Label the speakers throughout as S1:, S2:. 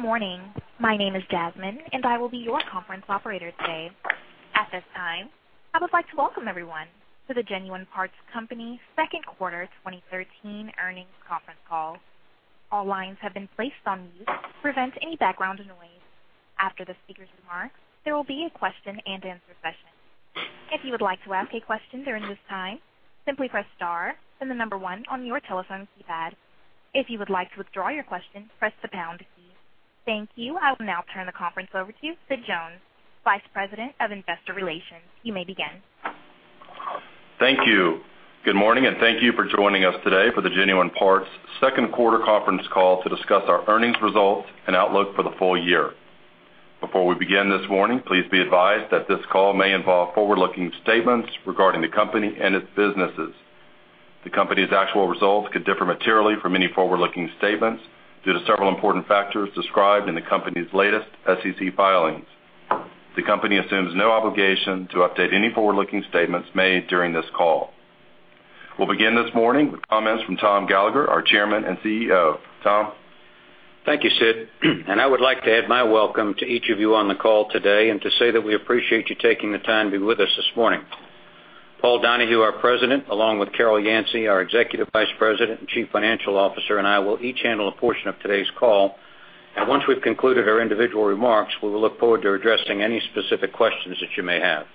S1: Good morning. My name is Jasmine and I will be your conference operator today. At this time, I would like to welcome everyone to the Genuine Parts Company second quarter 2013 earnings conference call. All lines have been placed on mute to prevent any background noise. After the speaker's remarks, there will be a question and answer session. If you would like to ask a question during this time, simply press star, then the number one on your telephone keypad. If you would like to withdraw your question, press the pound key. Thank you. I will now turn the conference over to Sid Jones, Vice President of Investor Relations. You may begin.
S2: Thank you. Good morning, thank you for joining us today for the Genuine Parts second quarter conference call to discuss our earnings results and outlook for the full year. Before we begin this morning, please be advised that this call may involve forward-looking statements regarding the company and its businesses. The company's actual results could differ materially from any forward-looking statements due to several important factors described in the company's latest SEC filings. The company assumes no obligation to update any forward-looking statements made during this call. We'll begin this morning with comments from Tom Gallagher, our Chairman and CEO. Tom?
S3: Thank you, Sid. I would like to add my welcome to each of you on the call today and to say that we appreciate you taking the time to be with us this morning. Paul Donahue, our President, along with Carol Yancey, our Executive Vice President and Chief Financial Officer, and I will each handle a portion of today's call, and once we've concluded our individual remarks, we will look forward to addressing any specific questions that you may have.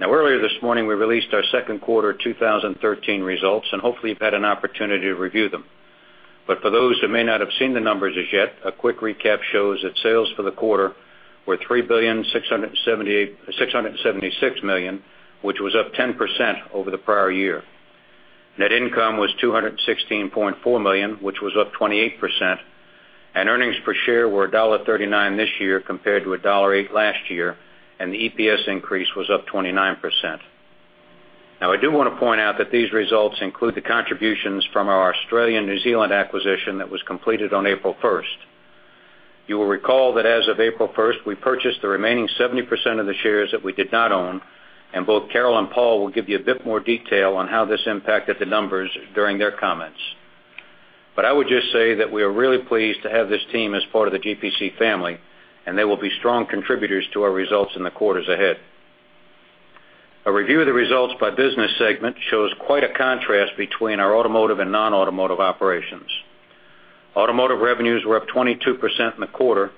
S3: Earlier this morning, we released our second quarter 2013 results, and hopefully you've had an opportunity to review them. But for those who may not have seen the numbers as yet, a quick recap shows that sales for the quarter were $3.676 billion, which was up 10% over the prior year. Net income was $216.4 million, which was up 28%, and earnings per share were $1.39 this year compared to $1.08 last year, and the EPS increase was up 29%. I do want to point out that these results include the contributions from our Australian/New Zealand acquisition that was completed on April 1st. You will recall that as of April 1st, we purchased the remaining 70% of the shares that we did not own, and both Carol and Paul will give you a bit more detail on how this impacted the numbers during their comments. I would just say that we are really pleased to have this team as part of the GPC family, and they will be strong contributors to our results in the quarters ahead. A review of the results by business segment shows quite a contrast between our automotive and non-automotive operations. Automotive revenues were up 22% in the quarter,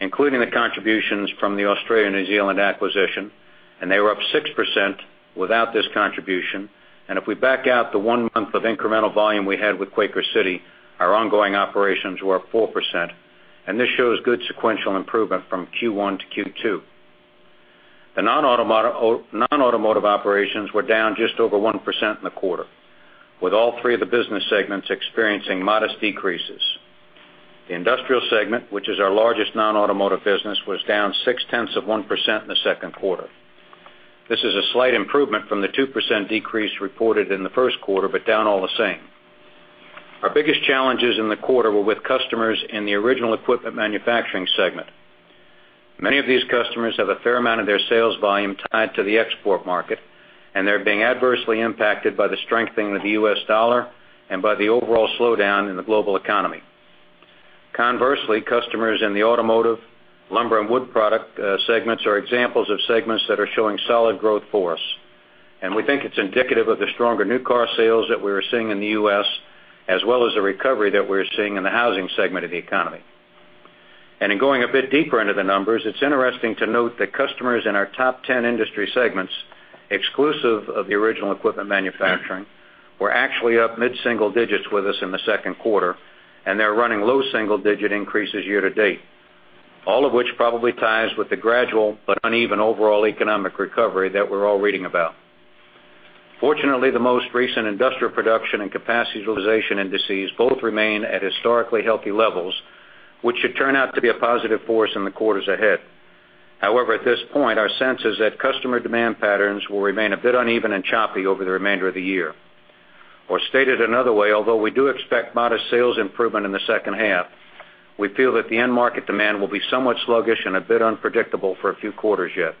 S3: including the contributions from the Australia/New Zealand acquisition, they were up 6% without this contribution. If we back out the one month of incremental volume we had with Quaker City, our ongoing operations were up 4%, and this shows good sequential improvement from Q1 to Q2. The non-automotive operations were down just over 1% in the quarter, with all three of the business segments experiencing modest decreases. The industrial segment, which is our largest non-automotive business, was down 6/10 of 1% in the second quarter. This is a slight improvement from the 2% decrease reported in the first quarter, but down all the same. Our biggest challenges in the quarter were with customers in the original equipment manufacturing segment. Many of these customers have a fair amount of their sales volume tied to the export market, and they're being adversely impacted by the strengthening of the U.S. dollar and by the overall slowdown in the global economy. Conversely, customers in the automotive, lumber, and wood product segments are examples of segments that are showing solid growth for us, and we think it's indicative of the stronger new car sales that we are seeing in the U.S., as well as the recovery that we're seeing in the housing segment of the economy. In going a bit deeper into the numbers, it's interesting to note that customers in our top 10 industry segments, exclusive of the original equipment manufacturing, were actually up mid-single digits with us in the second quarter, and they're running low single-digit increases year-to-date. All of which probably ties with the gradual but uneven overall economic recovery that we're all reading about. Fortunately, the most recent industrial production and capacity utilization indices both remain at historically healthy levels, which should turn out to be a positive force in the quarters ahead. However, at this point, our sense is that customer demand patterns will remain a bit uneven and choppy over the remainder of the year. Stated another way, although we do expect modest sales improvement in the second half, we feel that the end market demand will be somewhat sluggish and a bit unpredictable for a few quarters yet.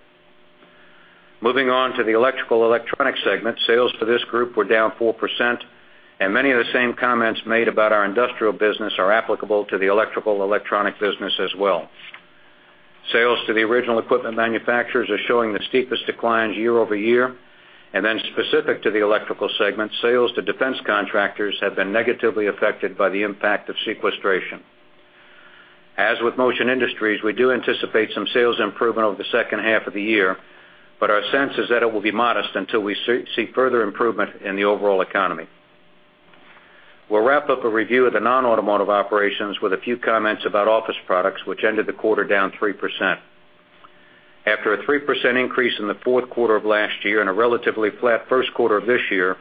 S3: Moving on to the electrical electronic segment. Sales for this group were down 4%. Many of the same comments made about our industrial business are applicable to the electrical electronic business as well. Sales to the original equipment manufacturers are showing the steepest declines year-over-year. Then specific to the electrical segment, sales to defense contractors have been negatively affected by the impact of sequestration. As with Motion Industries, we do anticipate some sales improvement over the second half of the year, but our sense is that it will be modest until we see further improvement in the overall economy. We'll wrap up a review of the non-automotive operations with a few comments about office products, which ended the quarter down 3%. After a 3% increase in the fourth quarter of last year and a relatively flat first quarter of this year,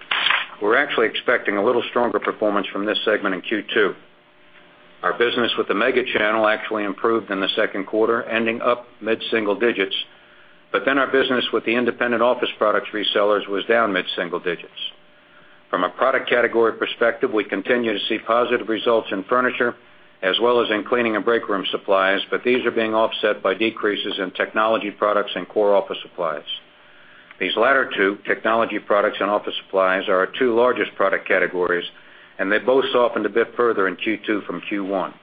S3: we're actually expecting a little stronger performance from this segment in Q2. Our business with the mega channel actually improved in the second quarter, ending up mid-single digits, but then our business with the independent office products resellers was down mid-single digits. From a product category perspective, we continue to see positive results in furniture as well as in cleaning and break room supplies, but these are being offset by decreases in technology products and core office supplies. These latter two, technology products and office supplies, are our two largest product categories, and they both softened a bit further in Q2 from Q1.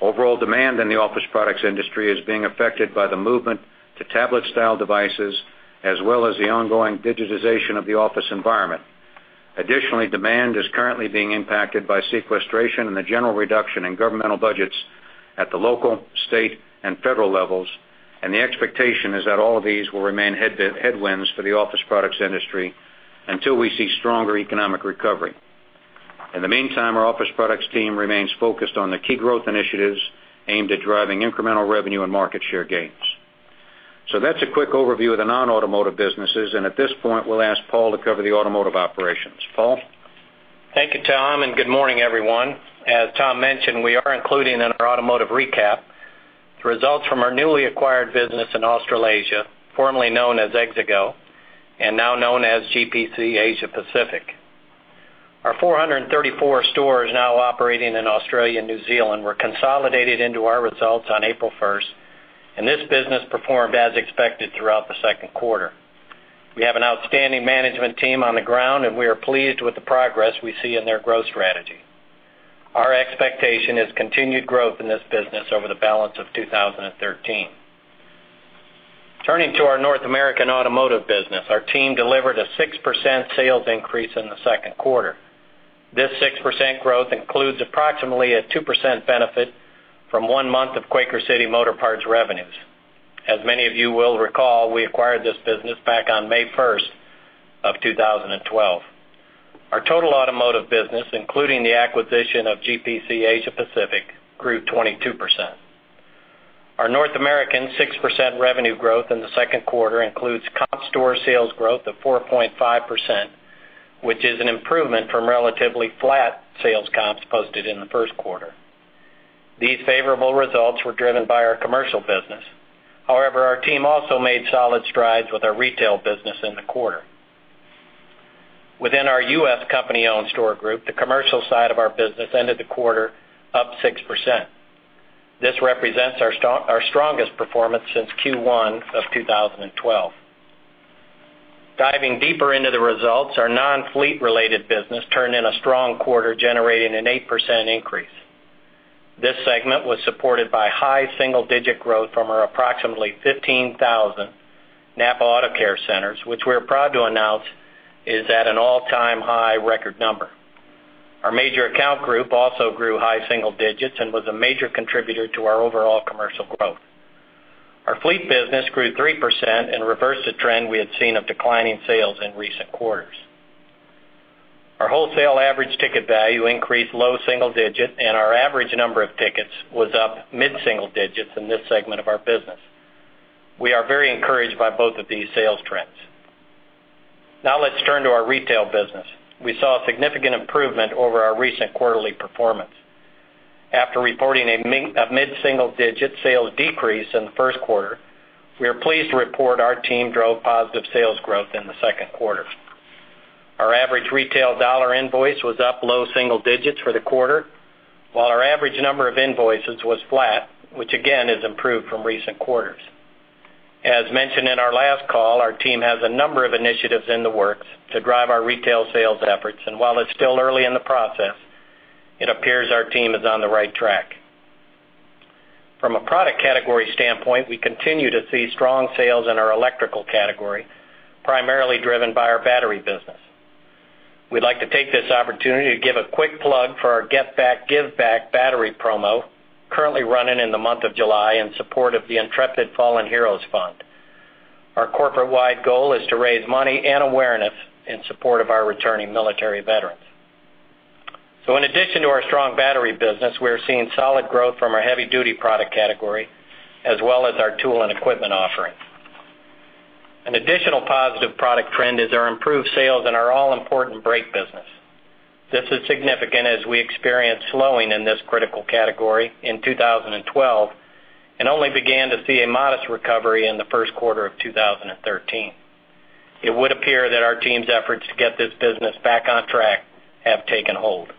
S3: Overall demand in the office products industry is being affected by the movement to tablet-style devices, as well as the ongoing digitization of the office environment. Additionally, demand is currently being impacted by sequestration and the general reduction in governmental budgets at the local, state, and federal levels. The expectation is that all of these will remain headwinds for the office products industry until we see stronger economic recovery. In the meantime, our office products team remains focused on the key growth initiatives aimed at driving incremental revenue and market share gains. That's a quick overview of the non-automotive businesses. At this point, we'll ask Paul to cover the automotive operations. Paul?
S4: Thank you, Tom, and good morning, everyone. As Tom mentioned, we are including in our automotive recap the results from our newly acquired business in Australasia, formerly known as Exego and now known as GPC Asia Pacific. Our 434 stores now operating in Australia and New Zealand were consolidated into our results on April 1st, and this business performed as expected throughout the second quarter. We have an outstanding management team on the ground, and we are pleased with the progress we see in their growth strategy. Our expectation is continued growth in this business over the balance of 2013. Turning to our North American automotive business, our team delivered a 6% sales increase in the second quarter. This 6% growth includes approximately a 2% benefit from one month of Quaker City Motor Parts revenues. As many of you will recall, we acquired this business back on May 1st of 2012. Our total automotive business, including the acquisition of GPC Asia Pacific, grew 22%. Our North American 6% revenue growth in the second quarter includes comp store sales growth of 4.5%, which is an improvement from relatively flat sales comps posted in the first quarter. These favorable results were driven by our commercial business. However, our team also made solid strides with our retail business in the quarter. Within our U.S. company-owned store group, the commercial side of our business ended the quarter up 6%. This represents our strongest performance since Q1 of 2012. Diving deeper into the results, our non-fleet related business turned in a strong quarter, generating an 8% increase. This segment was supported by high single-digit growth from our approximately 15,000 NAPA Auto Care Centers, which we're proud to announce is at an all-time high record number. Our major account group also grew high single digits and was a major contributor to our overall commercial growth. Our fleet business grew 3% and reversed a trend we had seen of declining sales in recent quarters. Our wholesale average ticket value increased low single digit, and our average number of tickets was up mid-single digits in this segment of our business. We are very encouraged by both of these sales trends. Let's turn to our retail business. We saw a significant improvement over our recent quarterly performance. After reporting a mid-single digit sales decrease in the first quarter, we are pleased to report our team drove positive sales growth in the second quarter. Our average retail dollar invoice was up low single digits for the quarter, while our average number of invoices was flat, which again, is improved from recent quarters. As mentioned in our last call, our team has a number of initiatives in the works to drive our retail sales efforts, and while it's still early in the process, it appears our team is on the right track. From a product category standpoint, we continue to see strong sales in our electrical category, primarily driven by our battery business. We'd like to take this opportunity to give a quick plug for our Get Back, Give Back battery promo currently running in the month of July in support of the Intrepid Fallen Heroes Fund. Our corporate-wide goal is to raise money and awareness in support of our returning military veterans. In addition to our strong battery business, we're seeing solid growth from our heavy-duty product category, as well as our tool and equipment offerings. An additional positive product trend is our improved sales in our all-important brake business. This is significant as we experienced slowing in this critical category in 2012 and only began to see a modest recovery in the first quarter of 2013. It would appear that our team's efforts to get this business back on track have taken hold.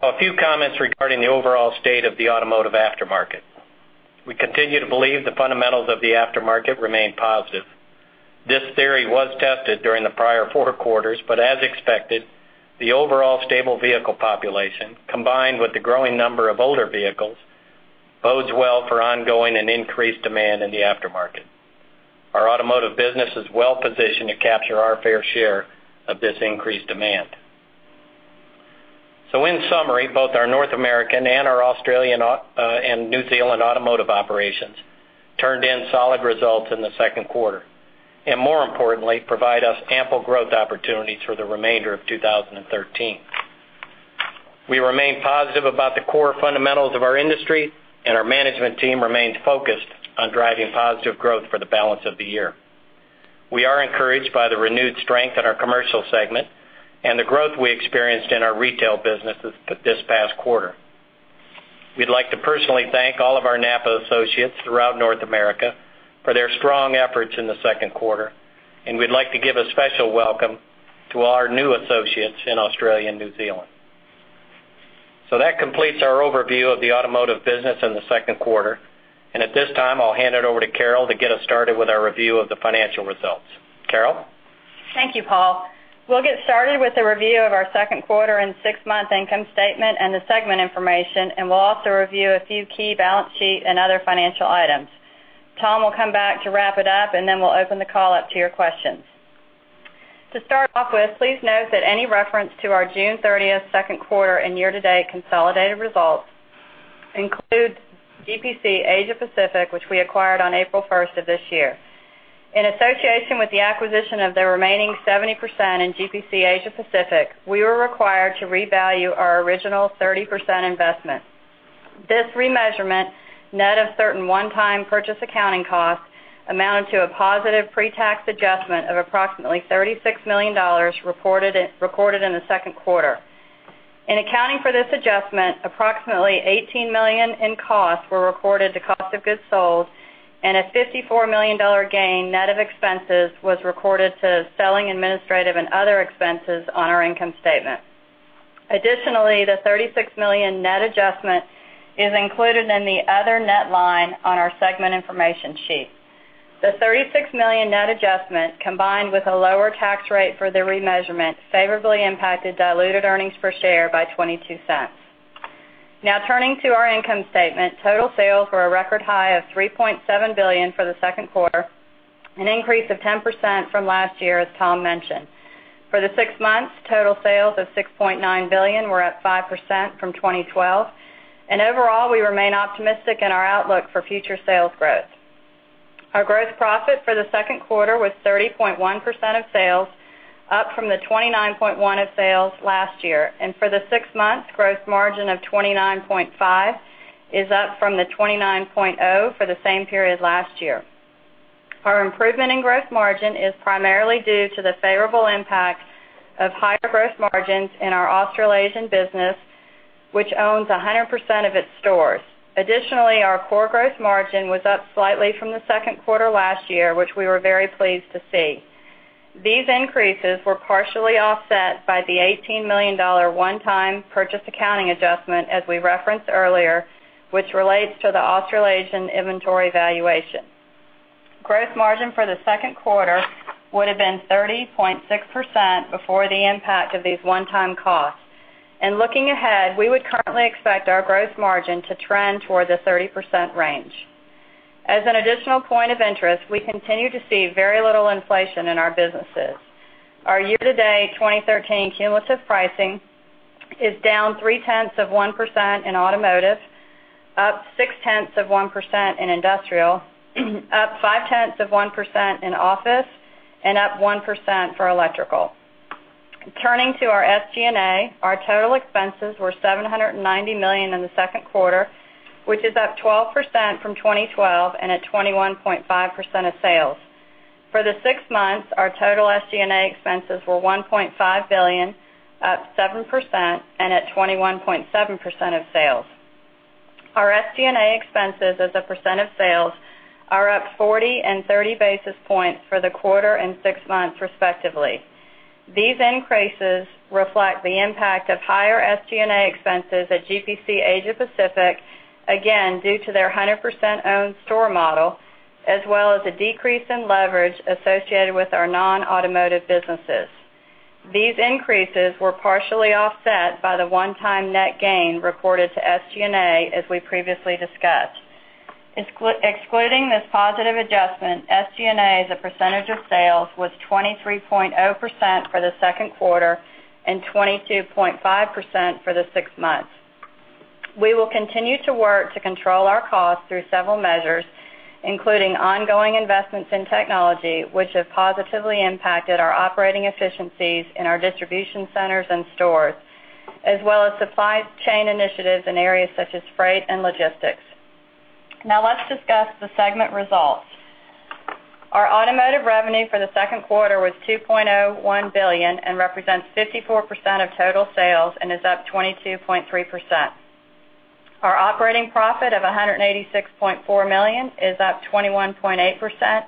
S4: A few comments regarding the overall state of the automotive aftermarket. We continue to believe the fundamentals of the aftermarket remain positive. This theory was tested during the prior four quarters, but as expected, the overall stable vehicle population, combined with the growing number of older vehicles, bodes well for ongoing and increased demand in the aftermarket. Our automotive business is well-positioned to capture our fair share of this increased demand. In summary, both our North American and our Australian and New Zealand automotive operations turned in solid results in the second quarter, and more importantly, provide us ample growth opportunities for the remainder of 2013. We remain positive about the core fundamentals of our industry, and our management team remains focused on driving positive growth for the balance of the year. We are encouraged by the renewed strength in our commercial segment and the growth we experienced in our retail businesses this past quarter. We'd like to personally thank all of our NAPA associates throughout North America for their strong efforts in the second quarter, and we'd like to give a special welcome to all our new associates in Australia and New Zealand. That completes our overview of the automotive business in the second quarter. At this time, I'll hand it over to Carol to get us started with our review of the financial results. Carol?
S5: Thank you, Paul. We'll get started with a review of our second quarter and six-month income statement and the segment information. We'll also review a few key balance sheet and other financial items. Tom will come back to wrap it up, then we'll open the call up to your questions. To start off with, please note that any reference to our June 30th second quarter and year-to-date consolidated results includes GPC Asia Pacific, which we acquired on April 1st of this year. In association with the acquisition of the remaining 70% in GPC Asia Pacific, we were required to revalue our original 30% investment. This remeasurement, net of certain one-time purchase accounting costs, amounted to a positive pre-tax adjustment of approximately $36 million recorded in the second quarter. In accounting for this adjustment, approximately $18 million in costs were recorded to cost of goods sold, a $54 million gain net of expenses was recorded to selling administrative and other expenses on our income statement. Additionally, the $36 million net adjustment is included in the other net line on our segment information sheet. The $36 million net adjustment, combined with a lower tax rate for the remeasurement, favorably impacted diluted earnings per share by $0.22. Turning to our income statement, total sales were a record high of $3.7 billion for the second quarter, an increase of 10% from last year, as Tom mentioned. For the six months, total sales of $6.9 billion were up 5% from 2012. Overall, we remain optimistic in our outlook for future sales growth. Our gross profit for the second quarter was 30.1% of sales, up from the 29.1% of sales last year. For the six months, gross margin of 29.5% is up from the 29.0% for the same period last year. Our improvement in gross margin is primarily due to the favorable impact of higher gross margins in our Australasian business, which owns 100% of its stores. Additionally, our core gross margin was up slightly from the second quarter last year, which we were very pleased to see. These increases were partially offset by the $18 million one-time purchase accounting adjustment, as we referenced earlier, which relates to the Australasian inventory valuation. Gross margin for the second quarter would have been 30.6% before the impact of these one-time costs. Looking ahead, we would currently expect our gross margin to trend toward the 30% range. As an additional point of interest, we continue to see very little inflation in our businesses. Our year-to-date 2013 cumulative pricing is down three-tenths of 1% in automotive, up six-tenths of 1% in industrial, up five-tenths of 1% in office, and up 1% for electrical. Turning to our SG&A, our total expenses were $790 million in the second quarter, which is up 12% from 2012 and at 21.5% of sales. For the six months, our total SG&A expenses were $1.5 billion, up 7%, and at 21.7% of sales. Our SG&A expenses as a percent of sales are up 40 and 30 basis points for the quarter and six months respectively. These increases reflect the impact of higher SG&A expenses at GPC Asia Pacific, again, due to their 100% owned store model, as well as a decrease in leverage associated with our non-automotive businesses. These increases were partially offset by the one-time net gain reported to SG&A, as we previously discussed. Excluding this positive adjustment, SG&A as a percentage of sales was 23.0% for the second quarter and 22.5% for the six months. We will continue to work to control our costs through several measures, including ongoing investments in technology, which have positively impacted our operating efficiencies in our distribution centers and stores, as well as supply chain initiatives in areas such as freight and logistics. Let's discuss the segment results. Our automotive revenue for the second quarter was $2.01 billion and represents 54% of total sales and is up 22.3%. Our operating profit of $186.4 million is up 21.8%,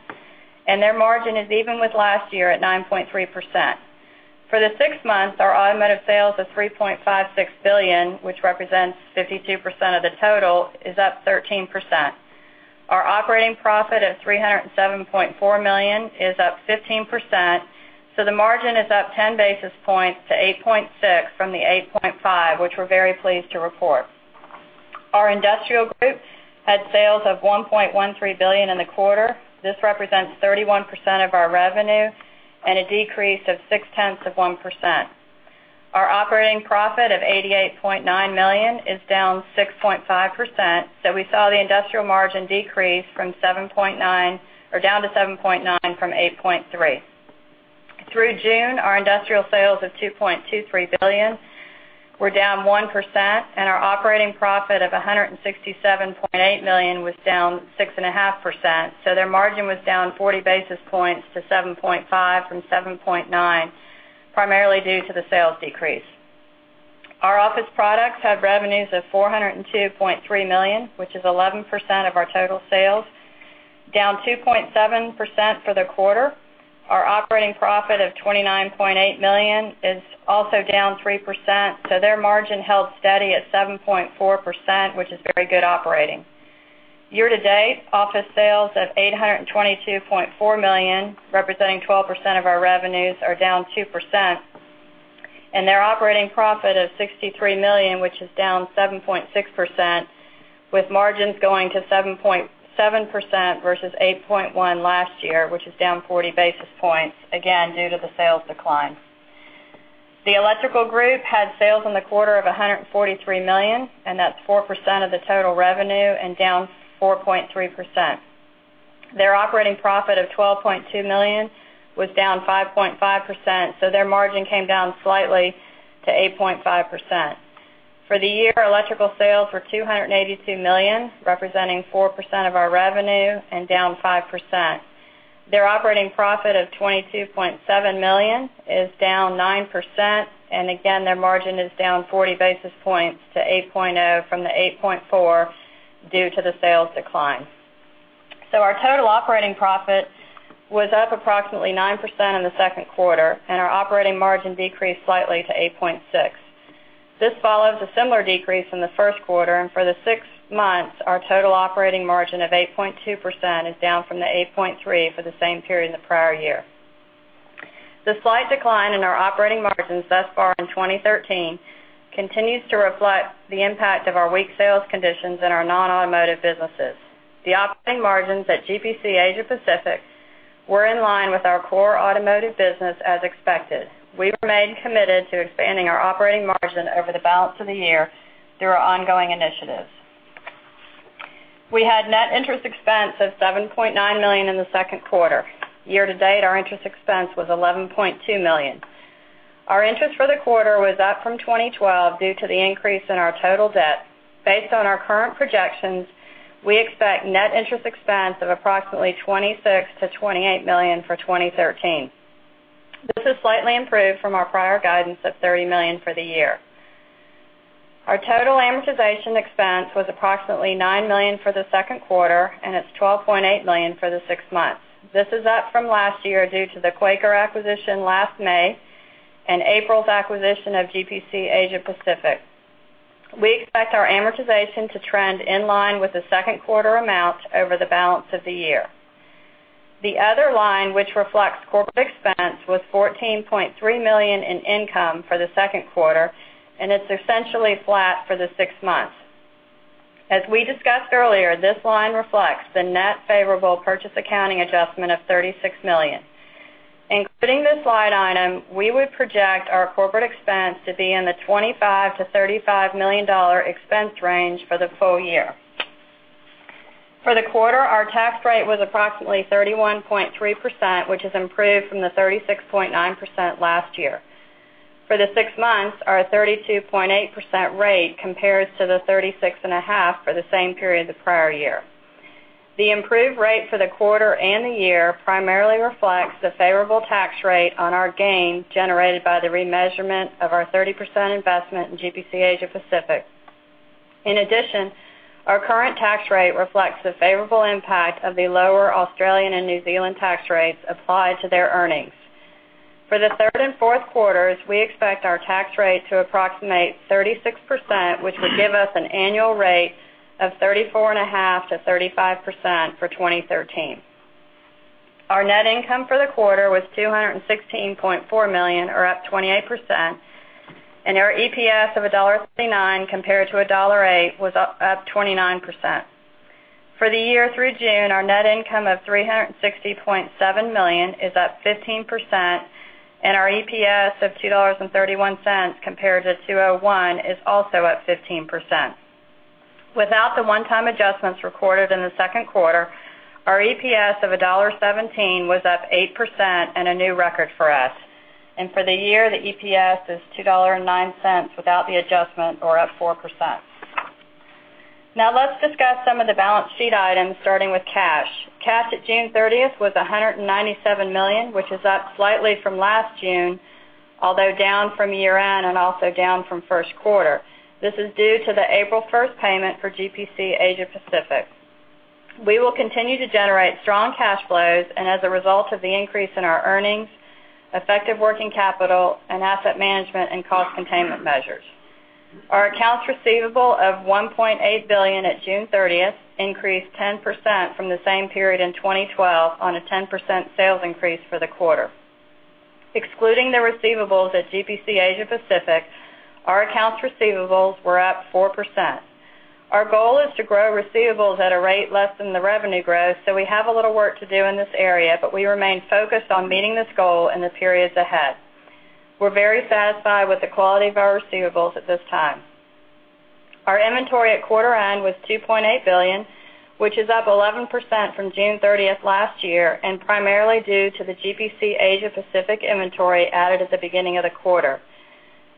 S5: and their margin is even with last year at 9.3%. For the six months, our automotive sales of $3.56 billion, which represents 52% of the total, is up 13%. Our operating profit of $307.4 million is up 15%, the margin is up 10 basis points to 8.6 from 8.5, which we're very pleased to report. Our industrial group had sales of $1.13 billion in the quarter. This represents 31% of our revenue and a decrease of six-tenths of 1%. Our operating profit of $88.9 million is down 6.5%, we saw the industrial margin decrease down to 7.9 from 8.3. Through June, our industrial sales of $2.23 billion were down 1%, and our operating profit of $167.8 million was down 6.5%. Their margin was down 40 basis points to 7.5 from 7.9, primarily due to the sales decrease. Our office products had revenues of $402.3 million, which is 11% of our total sales. Down 2.7% for the quarter. Our operating profit of $29.8 million is also down 3%, their margin held steady at 7.4%, which is very good operating. Year-to-date, office sales of $822.4 million, representing 12% of our revenues, are down 2%. Their operating profit of $63 million, which is down 7.6%, with margins going to 7.7% versus 8.1% last year, which is down 40 basis points, again, due to the sales decline. The Electrical group had sales in the quarter of $143 million, and that's 4% of the total revenue and down 4.3%. Their operating profit of $12.2 million was down 5.5%, their margin came down slightly to 8.5%. For the year, electrical sales were $282 million, representing 4% of our revenue and down 5%. Their operating profit of $22.7 million is down 9%, and again, their margin is down 40 basis points to 8.0 from 8.4 due to the sales decline. Our total operating profit was up approximately 9% in the second quarter, and our operating margin decreased slightly to 8.6%. This follows a similar decrease in the first quarter, and for the six months, our total operating margin of 8.2% is down from the 8.3% for the same period in the prior year. The slight decline in our operating margins thus far in 2013 continues to reflect the impact of our weak sales conditions in our non-automotive businesses. The operating margins at GPC Asia Pacific were in line with our core automotive business as expected. We remain committed to expanding our operating margin over the balance of the year through our ongoing initiatives. We had net interest expense of $7.9 million in the second quarter. Year-to-date, our interest expense was $11.2 million. Our interest for the quarter was up from 2012 due to the increase in our total debt. Based on our current projections, we expect net interest expense of approximately $26 million-$28 million for 2013. This is slightly improved from our prior guidance of $30 million for the year. Our total amortization expense was approximately $9 million for the second quarter, and it's $12.8 million for the six months. This is up from last year due to the Quaker acquisition last May and April's acquisition of GPC Asia Pacific. We expect our amortization to trend in line with the second quarter amount over the balance of the year. The other line, which reflects corporate expense, was $14.3 million in income for the second quarter, and it's essentially flat for the six months. As we discussed earlier, this line reflects the net favorable purchase accounting adjustment of $36 million. Including this slide item, we would project our corporate expense to be in the $25 million-$35 million expense range for the full year. For the quarter, our tax rate was approximately 31.3%, which has improved from the 36.9% last year. For the six months, our 32.8% rate compares to the 36.5% for the same period the prior year. The improved rate for the quarter and the year primarily reflects the favorable tax rate on our gain generated by the remeasurement of our 30% investment in GPC Asia Pacific. In addition, our current tax rate reflects the favorable impact of the lower Australian and New Zealand tax rates applied to their earnings. For the third and fourth quarters, we expect our tax rate to approximate 36%, which would give us an annual rate of 34.5%-35% for 2013. Our net income for the quarter was $216.4 million, or up 28%, and our EPS of $1.59 compared to $1.08, was up 29%. For the year through June, our net income of $360.7 million is up 15%, and our EPS of $2.31 compared to $2.01, is also up 15%. Without the one-time adjustments recorded in the second quarter, our EPS of $1.17 was up 8% and a new record for us. For the year, the EPS is $2.09 without the adjustment, or up 4%. Now let's discuss some of the balance sheet items, starting with cash. Cash at June 30th was $197 million, which is up slightly from last June, although down from year-end and also down from first quarter. This is due to the April 1st payment for GPC Asia Pacific. We will continue to generate strong cash flows and as a result of the increase in our earnings, effective working capital, and asset management and cost containment measures. Our accounts receivable of $1.8 billion at June 30th increased 10% from the same period in 2012 on a 10% sales increase for the quarter. Excluding the receivables at GPC Asia Pacific, our accounts receivables were up 4%. Our goal is to grow receivables at a rate less than the revenue growth, so we have a little work to do in this area, but we remain focused on meeting this goal in the periods ahead. We're very satisfied with the quality of our receivables at this time. Our inventory at quarter end was $2.8 billion, which is up 11% from June 30th last year, and primarily due to the GPC Asia Pacific inventory added at the beginning of the quarter.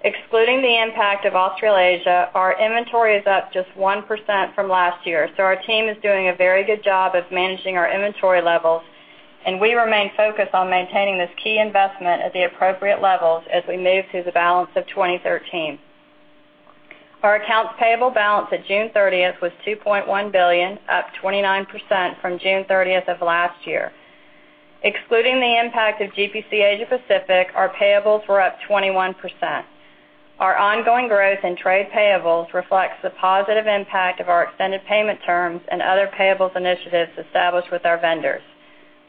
S5: Excluding the impact of Australasia, our inventory is up just 1% from last year, so our team is doing a very good job of managing our inventory levels, and we remain focused on maintaining this key investment at the appropriate levels as we move through the balance of 2013. Our accounts payable balance at June 30th was $2.1 billion, up 29% from June 30th of last year. Excluding the impact of GPC Asia Pacific, our payables were up 21%. Our ongoing growth in trade payables reflects the positive impact of our extended payment terms and other payables initiatives established with our vendors.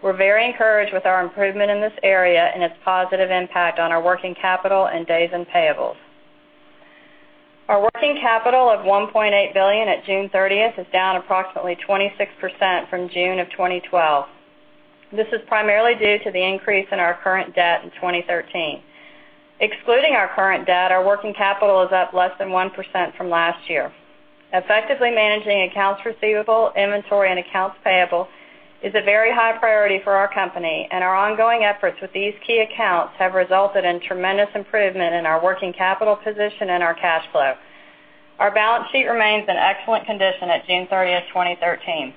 S5: We're very encouraged with our improvement in this area and its positive impact on our working capital and days in payables. Our working capital of $1.8 billion at June 30th is down approximately 26% from June of 2012. This is primarily due to the increase in our current debt in 2013. Excluding our current debt, our working capital is up less than 1% from last year. Effectively managing accounts receivable, inventory, and accounts payable is a very high priority for our company, and our ongoing efforts with these key accounts have resulted in tremendous improvement in our working capital position and our cash flow. Our balance sheet remains in excellent condition at June 30th, 2013.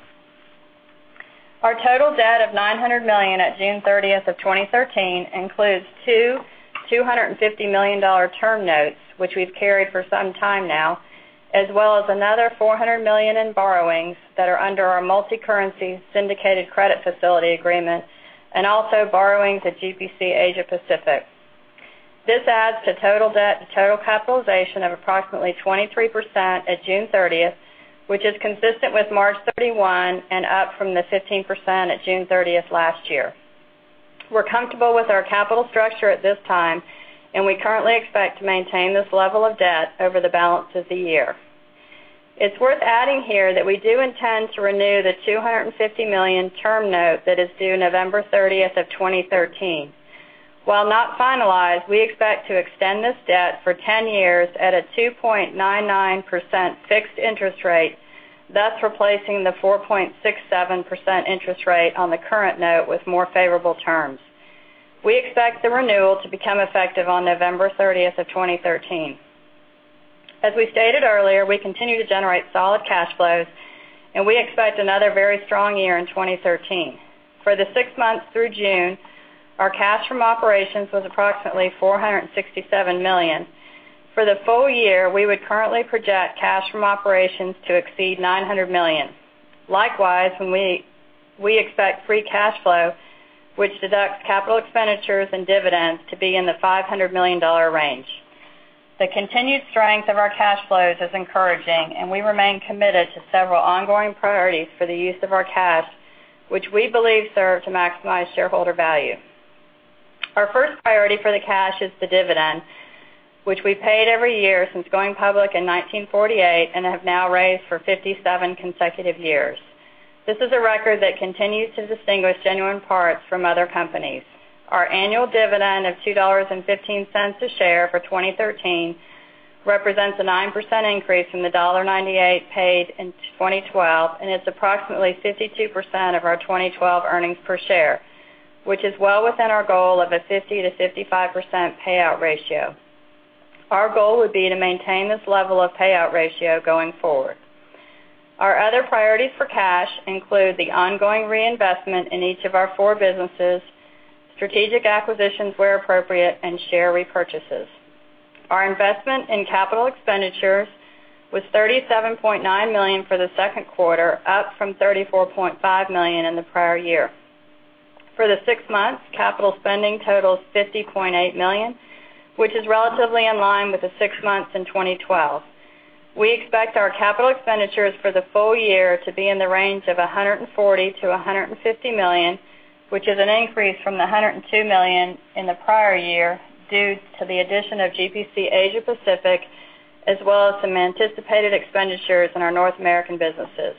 S5: Our total debt of $900 million at June 30th of 2013 includes two $250 million term notes, which we've carried for some time now, as well as another $400 million in borrowings that are under our multi-currency syndicated credit facility agreement, and also borrowings at GPC Asia Pacific. This adds to total debt to total capitalization of approximately 23% at June 30th, which is consistent with March 31 and up from the 15% at June 30th last year. We're comfortable with our capital structure at this time, and we currently expect to maintain this level of debt over the balance of the year. It's worth adding here that we do intend to renew the $250 million term note that is due November 30th of 2013. While not finalized, we expect to extend this debt for 10 years at a 2.99% fixed interest rate, thus replacing the 4.67% interest rate on the current note with more favorable terms. We expect the renewal to become effective on November 30th of 2013. As we stated earlier, we continue to generate solid cash flows, and we expect another very strong year in 2013. For the six months through June, our cash from operations was approximately $467 million. For the full year, we would currently project cash from operations to exceed $900 million. Likewise, we expect free cash flow, which deducts capital expenditures and dividends, to be in the $500 million range. The continued strength of our cash flows is encouraging, and we remain committed to several ongoing priorities for the use of our cash, which we believe serve to maximize shareholder value. Our first priority for the cash is the dividend, which we've paid every year since going public in 1948 and have now raised for 57 consecutive years. This is a record that continues to distinguish Genuine Parts from other companies. Our annual dividend of $2.15 a share for 2013 represents a 9% increase from the $1.98 paid in 2012, and is approximately 52% of our 2012 earnings per share, which is well within our goal of a 50%-55% payout ratio. Our goal would be to maintain this level of payout ratio going forward. Our other priorities for cash include the ongoing reinvestment in each of our four businesses, strategic acquisitions where appropriate, and share repurchases. Our investment in capital expenditures was $37.9 million for the second quarter, up from $34.5 million in the prior year. For the six months, capital spending totals $50.8 million, which is relatively in line with the six months in 2012. We expect our capital expenditures for the full year to be in the range of $140 million-$150 million, which is an increase from the $102 million in the prior year due to the addition of GPC Asia Pacific, as well as some anticipated expenditures in our North American businesses.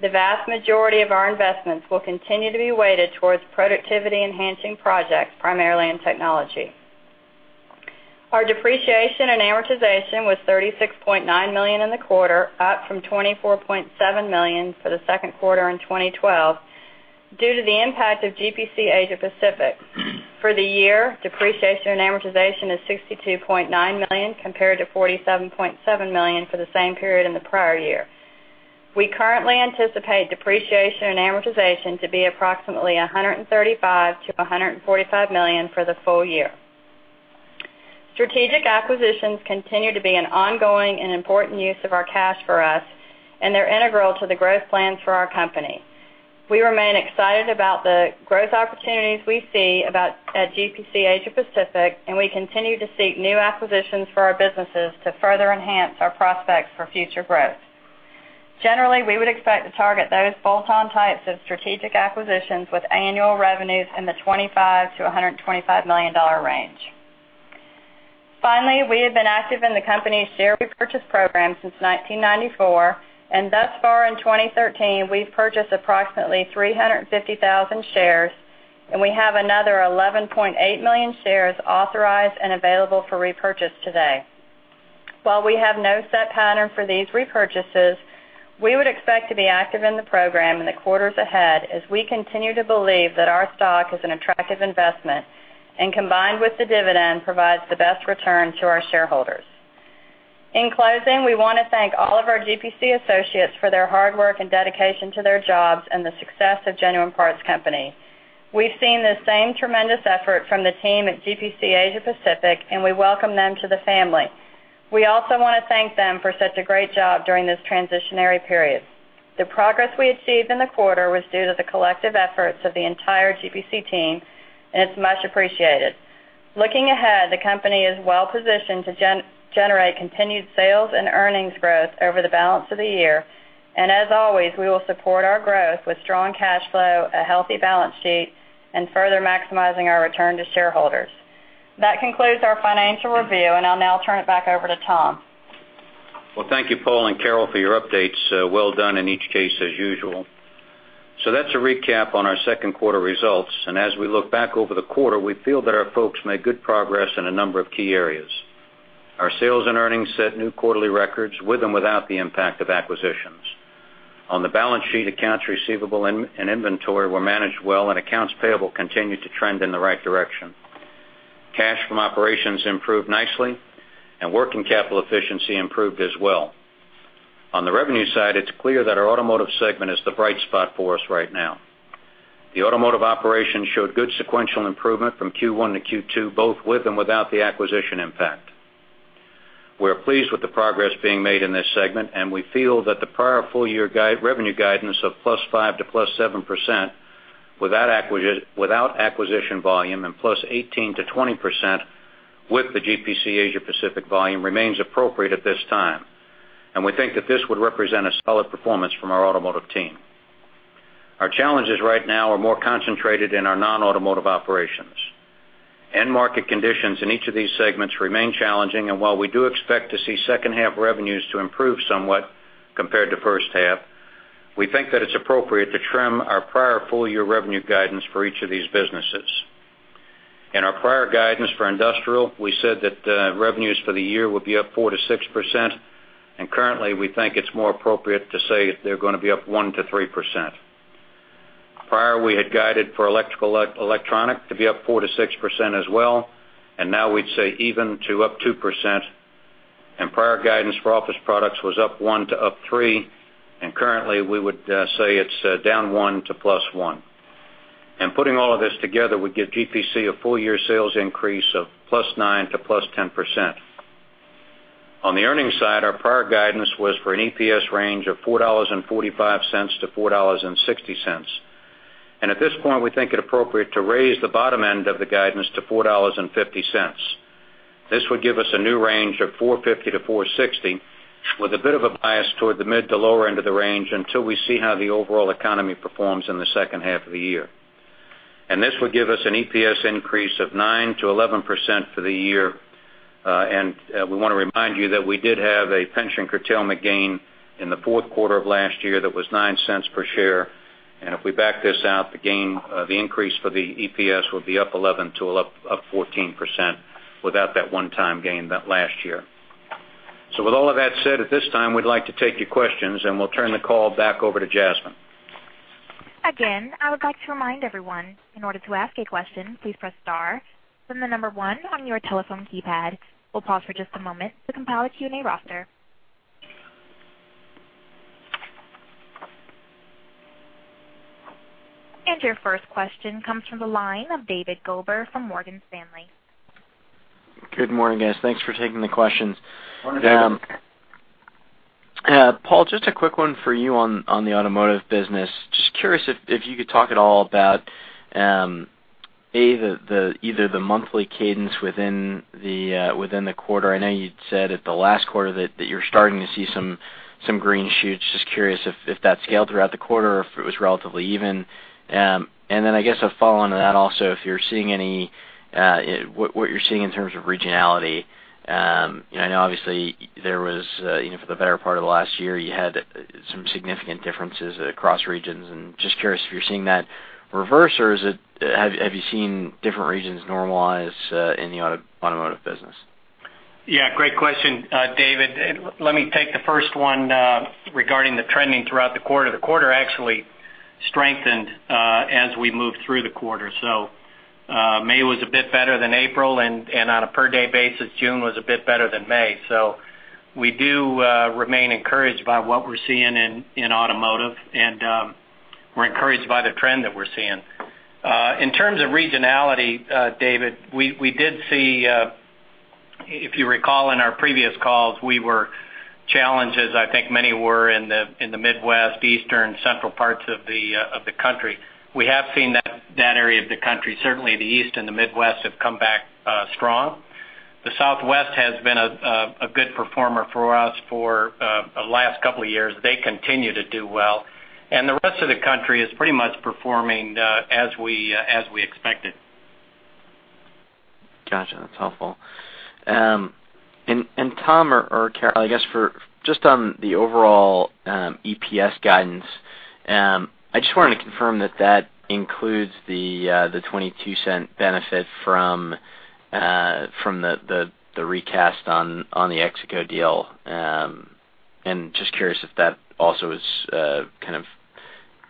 S5: The vast majority of our investments will continue to be weighted towards productivity-enhancing projects, primarily in technology. Our depreciation and amortization was $36.9 million in the quarter, up from $24.7 million for the second quarter in 2012 due to the impact of GPC Asia Pacific. For the year, depreciation and amortization is $62.9 million, compared to $47.7 million for the same period in the prior year. We currently anticipate depreciation and amortization to be approximately $135 million-$145 million for the full year. Strategic acquisitions continue to be an ongoing and important use of our cash for us, and they're integral to the growth plans for our company. We remain excited about the growth opportunities we see at GPC Asia Pacific, and we continue to seek new acquisitions for our businesses to further enhance our prospects for future growth. Generally, we would expect to target those bolt-on types of strategic acquisitions with annual revenues in the $25 million-$125 million range. Finally, we have been active in the company's share repurchase program since 1994, and thus far in 2013, we've purchased approximately 350,000 shares, and we have another 11.8 million shares authorized and available for repurchase today. While we have no set pattern for these repurchases, we would expect to be active in the program in the quarters ahead as we continue to believe that our stock is an attractive investment, and combined with the dividend, provides the best return to our shareholders. In closing, we want to thank all of our GPC associates for their hard work and dedication to their jobs and the success of Genuine Parts Company. We've seen the same tremendous effort from the team at GPC Asia Pacific, and we welcome them to the family. We also want to thank them for such a great job during this transitionary period. The progress we achieved in the quarter was due to the collective efforts of the entire GPC team, and it's much appreciated. Looking ahead, the company is well-positioned to generate continued sales and earnings growth over the balance of the year. As always, we will support our growth with strong cash flow, a healthy balance sheet, and further maximizing our return to shareholders. That concludes our financial review, and I'll now turn it back over to Tom.
S3: Thank you, Paul and Carol, for your updates. Well done in each case, as usual. That's a recap on our second quarter results. As we look back over the quarter, we feel that our folks made good progress in a number of key areas. Our sales and earnings set new quarterly records with and without the impact of acquisitions. On the balance sheet, accounts receivable and inventory were managed well, and accounts payable continued to trend in the right direction. Cash from operations improved nicely, and working capital efficiency improved as well. On the revenue side, it's clear that our automotive segment is the bright spot for us right now. The automotive operation showed good sequential improvement from Q1 to Q2, both with and without the acquisition impact. We are pleased with the progress being made in this segment, and we feel that the prior full-year revenue guidance of +5% to +7% without acquisition volume and +18% to 20% with the GPC Asia Pacific volume remains appropriate at this time. We think that this would represent a solid performance from our automotive team. Our challenges right now are more concentrated in our non-automotive operations. End market conditions in each of these segments remain challenging, and while we do expect to see second half revenues to improve somewhat compared to first half, we think that it's appropriate to trim our prior full-year revenue guidance for each of these businesses. In our prior guidance for industrial, we said that revenues for the year would be up 4%-6%, and currently, we think it's more appropriate to say they're going to be up 1%-3%. Prior, we had guided for Electronic to be up 4%-6% as well, and now we'd say even to up 2%. Prior guidance for Office Products was up 1%-3%, and currently, we would say it's down -1% to +1%. Putting all of this together would give GPC a full-year sales increase of +9% to +10%. On the earnings side, our prior guidance was for an EPS range of $4.45-$4.60. At this point, we think it appropriate to raise the bottom end of the guidance to $4.50. This would give us a new range of $4.50-$4.60, with a bit of a bias toward the mid to lower end of the range until we see how the overall economy performs in the second half of the year. This would give us an EPS increase of 9%-11% for the year. We want to remind you that we did have a pension curtailment gain in the fourth quarter of last year that was $0.09 per share. If we back this out, the increase for the EPS would be up 11%-14% without that one-time gain that last year. With all of that said, at this time, we'd like to take your questions, and we'll turn the call back over to Jasmine.
S1: Again, I would like to remind everyone, in order to ask a question, please press star, then the number 1 on your telephone keypad. We'll pause for just a moment to compile a Q&A roster. Your first question comes from the line of David Gober from Morgan Stanley.
S6: Good morning, guys. Thanks for taking the questions.
S3: Wonderful.
S6: Paul, just a quick one for you on the automotive business. Just curious if you could talk at all about, A, either the monthly cadence within the quarter. I know you'd said at the last quarter that you're starting to see some green shoots. Just curious if that scaled throughout the quarter or if it was relatively even. I guess a follow-on to that also, if you're seeing any, what you're seeing in terms of regionality. I know obviously there was, for the better part of the last year, you had some significant differences across regions, and just curious if you're seeing that reverse, or have you seen different regions normalize in the automotive business?
S4: Yeah, great question, David. Let me take the first one regarding the trending throughout the quarter. The quarter actually strengthened as we moved through the quarter. May was a bit better than April, and on a per-day basis, June was a bit better than May. We do remain encouraged by what we're seeing in automotive, and we're encouraged by the trend that we're seeing. In terms of regionality, David, we did see, if you recall in our previous calls, we were challenged as I think many were in the Midwest, Eastern, central parts of the country. We have seen that area of the country, certainly the East and the Midwest, have come back strong. The Southwest has been a good performer for us for the last couple of years. They continue to do well. The rest of the country is pretty much performing as we expected.
S6: Gotcha. That's helpful. Tom or Carol, I guess just on the overall EPS guidance, I just wanted to confirm that includes the $0.22 benefit from the recast on the Exego deal. Just curious if that also is kind of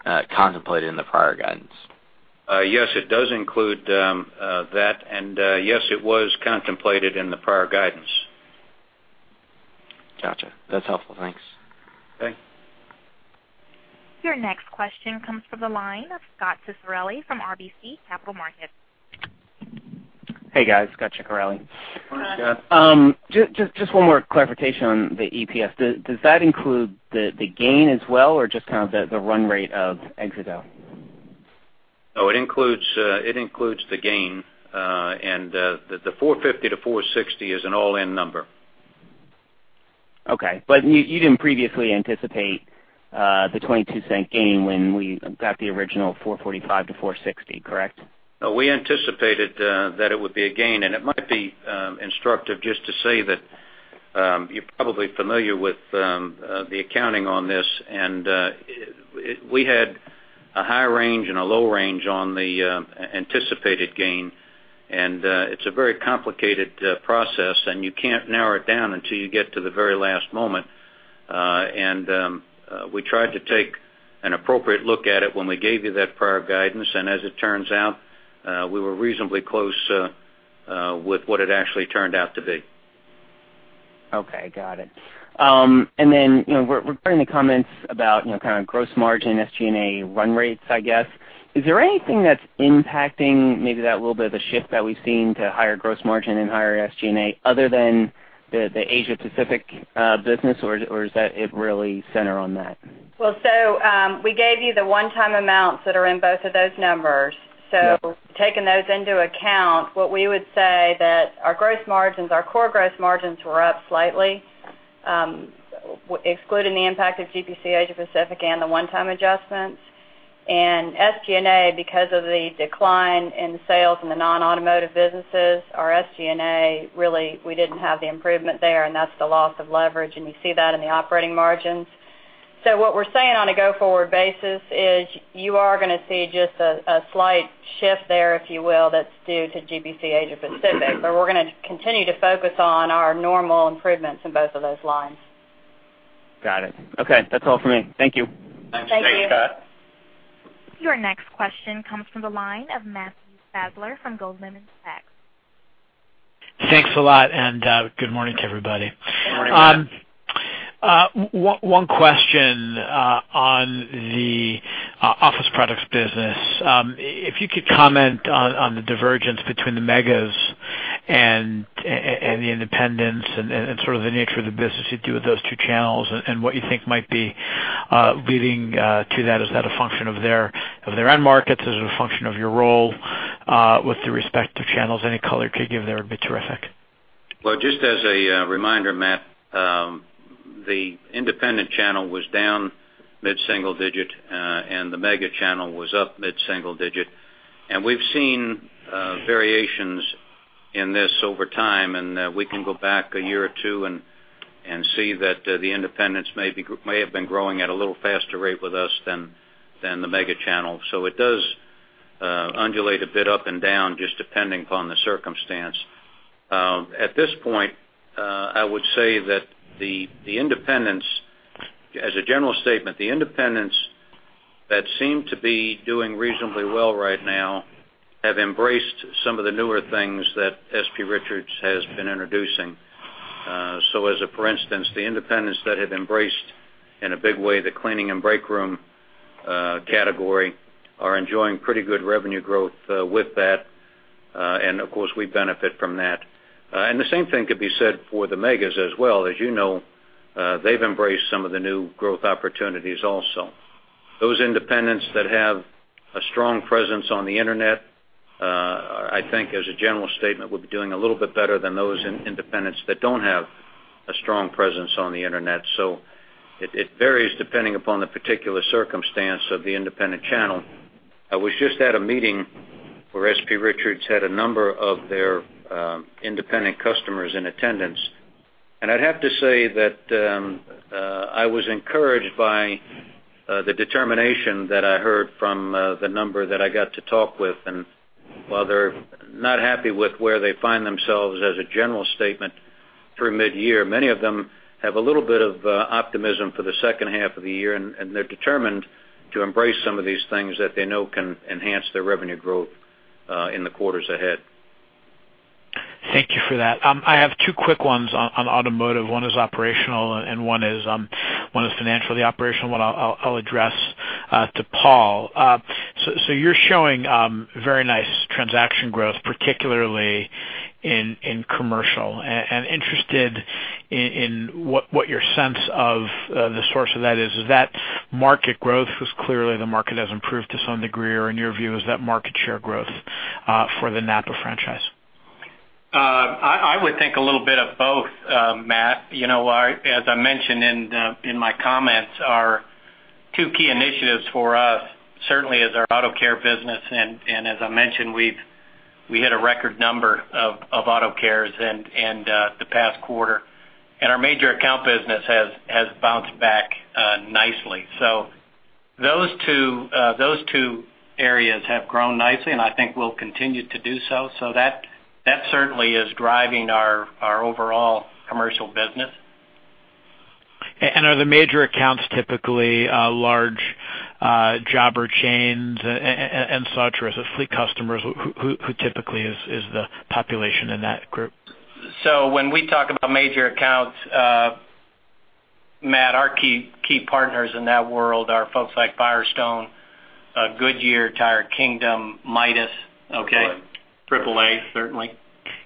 S6: contemplated in the prior guidance.
S3: Yes, it does include that, and yes, it was contemplated in the prior guidance.
S6: Got you. That's helpful. Thanks.
S3: Thanks.
S1: Your next question comes from the line of Scot Ciccarelli from RBC Capital Markets.
S7: Hey, guys. Scot Ciccarelli.
S3: Hi, Scot.
S7: One more clarification on the EPS. Does that include the gain as well, or just kind of the run rate of ex it out?
S3: It includes the gain, the $4.50-$4.60 is an all-in number.
S7: You didn't previously anticipate the $0.22 gain when we got the original $4.45-$4.60, correct?
S3: We anticipated that it would be a gain, it might be instructive just to say that you're probably familiar with the accounting on this. We had a high range and a low range on the anticipated gain, it's a very complicated process, you can't narrow it down until you get to the very last moment. We tried to take an appropriate look at it when we gave you that prior guidance. As it turns out, we were reasonably close with what it actually turned out to be.
S7: Okay, got it. We're putting the comments about kind of gross margin, SG&A run rates, I guess. Is there anything that's impacting maybe that, a little bit of the shift that we've seen to higher gross margin and higher SG&A, other than the Asia Pacific business, or is that it really center on that?
S5: We gave you the one-time amounts that are in both of those numbers.
S7: Yeah.
S5: Taking those into account, what we would say that our gross margins, our core gross margins were up slightly, excluding the impact of GPC Asia Pacific and the one-time adjustments. SG&A, because of the decline in sales in the non-automotive businesses, our SG&A, really, we didn't have the improvement there, and that's the loss of leverage, and you see that in the operating margins. What we're saying on a go-forward basis is you are going to see just a slight shift there, if you will, that's due to GPC Asia Pacific. We're going to continue to focus on our normal improvements in both of those lines.
S7: Got it. Okay. That's all for me. Thank you.
S3: Thanks.
S5: Thank you.
S3: Hey, Scot.
S1: Your next question comes from the line of Matthew Sadler from Goldman Sachs.
S8: Thanks a lot. Good morning to everybody.
S3: Good morning, Matt.
S8: One question on the Office Products business. If you could comment on the divergence between the megas and the independents and sort of the nature of the business you do with those two channels and what you think might be leading to that. Is that a function of their end markets? Is it a function of your role with the respective channels? Any color you could give there would be terrific.
S3: Well, just as a reminder, Matt, the independent channel was down mid-single digit, the mega channel was up mid-single digit. We've seen variations in this over time, we can go back a year or two and see that the independents may have been growing at a little faster rate with us than the mega channel. It does undulate a bit up and down just depending upon the circumstance. At this point, I would say that the independents, as a general statement, the independents that seem to be doing reasonably well right now have embraced some of the newer things that S.P. Richards has been introducing. As a for instance, the independents that have embraced, in a big way, the cleaning and break room category are enjoying pretty good revenue growth with that. Of course, we benefit from that. The same thing could be said for the megas as well. As you know, they've embraced some of the new growth opportunities also. Those independents that have a strong presence on the Internet, I think as a general statement, would be doing a little bit better than those independents that don't have a strong presence on the Internet. It varies depending upon the particular circumstance of the independent channel. I was just at a meeting where S.P. Richards had a number of their independent customers in attendance. I'd have to say that I was encouraged by the determination that I heard from the number that I got to talk with. While they're not happy with where they find themselves as a general statement through mid-year, many of them have a little bit of optimism for the second half of the year, they're determined to embrace some of these things that they know can enhance their revenue growth in the quarters ahead.
S8: Thank you for that. I have two quick ones on Automotive. One is operational and one is financial. The operational one, I'll address to Paul. You're showing very nice transaction growth, particularly in commercial, interested in what your sense of the source of that is. Is that market growth? Because clearly the market has improved to some degree, or in your view, is that market share growth for the NAPA franchise?
S4: I would think a little bit of both, Matt. As I mentioned in my comments, our two key initiatives for us certainly is our Auto Care business. As I mentioned, we hit a record number of Auto Cares in the past quarter. Our major account business has bounced back nicely. Those two areas have grown nicely, and I think will continue to do so. That certainly is driving our overall commercial business.
S8: Are the major accounts typically large jobber chains and such, or is it fleet customers? Who typically is the population in that group?
S4: When we talk about major accounts, Matt, our key partners in that world are folks like Firestone, Goodyear, Tire Kingdom, Midas. Okay?
S3: AAA, certainly.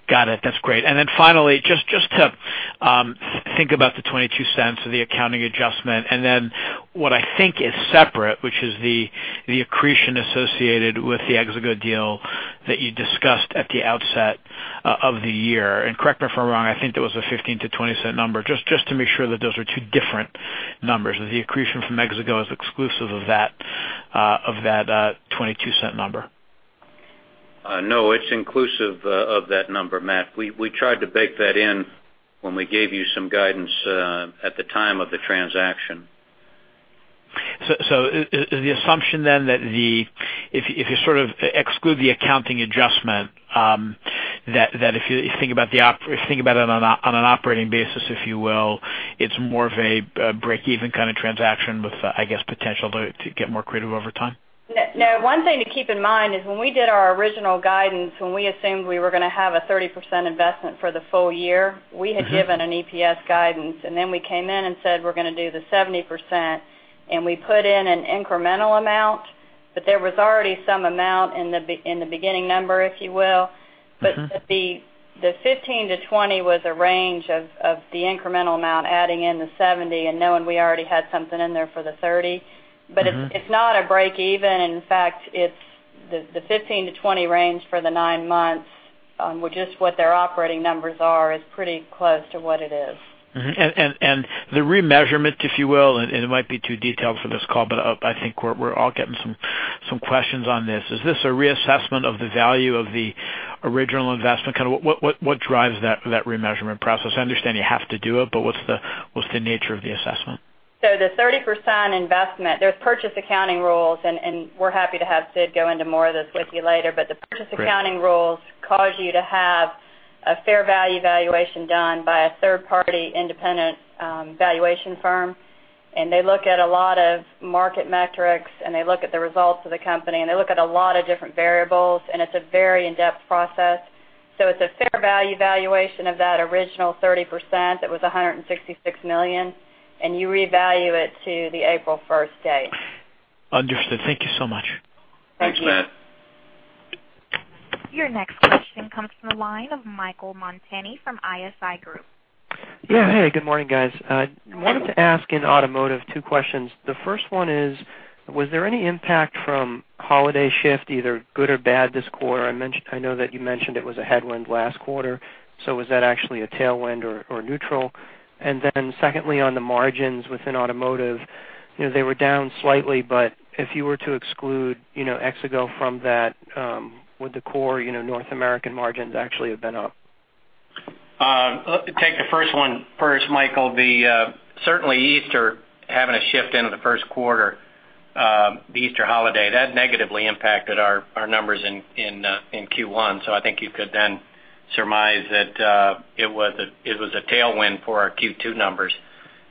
S8: Got it. That's great. Finally, just to think about the $0.22 of the accounting adjustment, then what I think is separate, which is the accretion associated with the Exego deal that you discussed at the outset of the year. Correct me if I'm wrong, I think that was a $0.15-$0.20 number. Just to make sure that those are two different numbers. The accretion from Exego is exclusive of that $0.22 number.
S3: No, it's inclusive of that number, Matt. We tried to bake that in when we gave you some guidance at the time of the transaction.
S8: Is the assumption then that, if you sort of exclude the accounting adjustment, that if you think about it on an operating basis, if you will, it's more of a break-even kind of transaction with, I guess, potential to get more creative over time?
S5: No. One thing to keep in mind is when we did our original guidance, when we assumed we were going to have a 30% investment for the full year, we had given an EPS guidance, and then we came in and said we're going to do the 70%, and we put in an incremental amount, but there was already some amount in the beginning number, if you will. The 15-20 was a range of the incremental amount, adding in the 70 and knowing we already had something in there for the 30. It's not a break even. In fact, the 15-20 range for the nine months, which is what their operating numbers are, is pretty close to what it is.
S8: Mm-hmm. The remeasurement, if you will, and it might be too detailed for this call, but I think we're all getting some questions on this. Is this a reassessment of the value of the original investment? What drives that remeasurement process? I understand you have to do it, but what's the nature of the assessment?
S5: The 30% investment, there's purchase accounting rules, and we're happy to have Sid go into more of this with you later. The purchase accounting rules cause you to have a fair value valuation done by a third-party independent valuation firm. They look at a lot of market metrics, and they look at the results of the company, and they look at a lot of different variables, and it's a very in-depth process. It's a fair value valuation of that original 30%. It was $166 million, and you revalue it to the April 1st date.
S8: Understood. Thank you so much.
S5: Thank you.
S3: Thanks, Matt.
S1: Your next question comes from the line of Michael Montani from ISI Group.
S9: Yeah. Hey, good morning, guys.
S5: Morning.
S9: I wanted to ask in Automotive two questions. The first one is, was there any impact from holiday shift, either good or bad this quarter? I know that you mentioned it was a headwind last quarter, so was that actually a tailwind or neutral? Secondly, on the margins within Automotive, they were down slightly, but if you were to exclude Exego from that, would the core North American margins actually have been up?
S4: Take the first one first, Michael. Certainly Easter having a shift into the first quarter, the Easter holiday, that negatively impacted our numbers in Q1. I think you could then surmise that it was a tailwind for our Q2 numbers.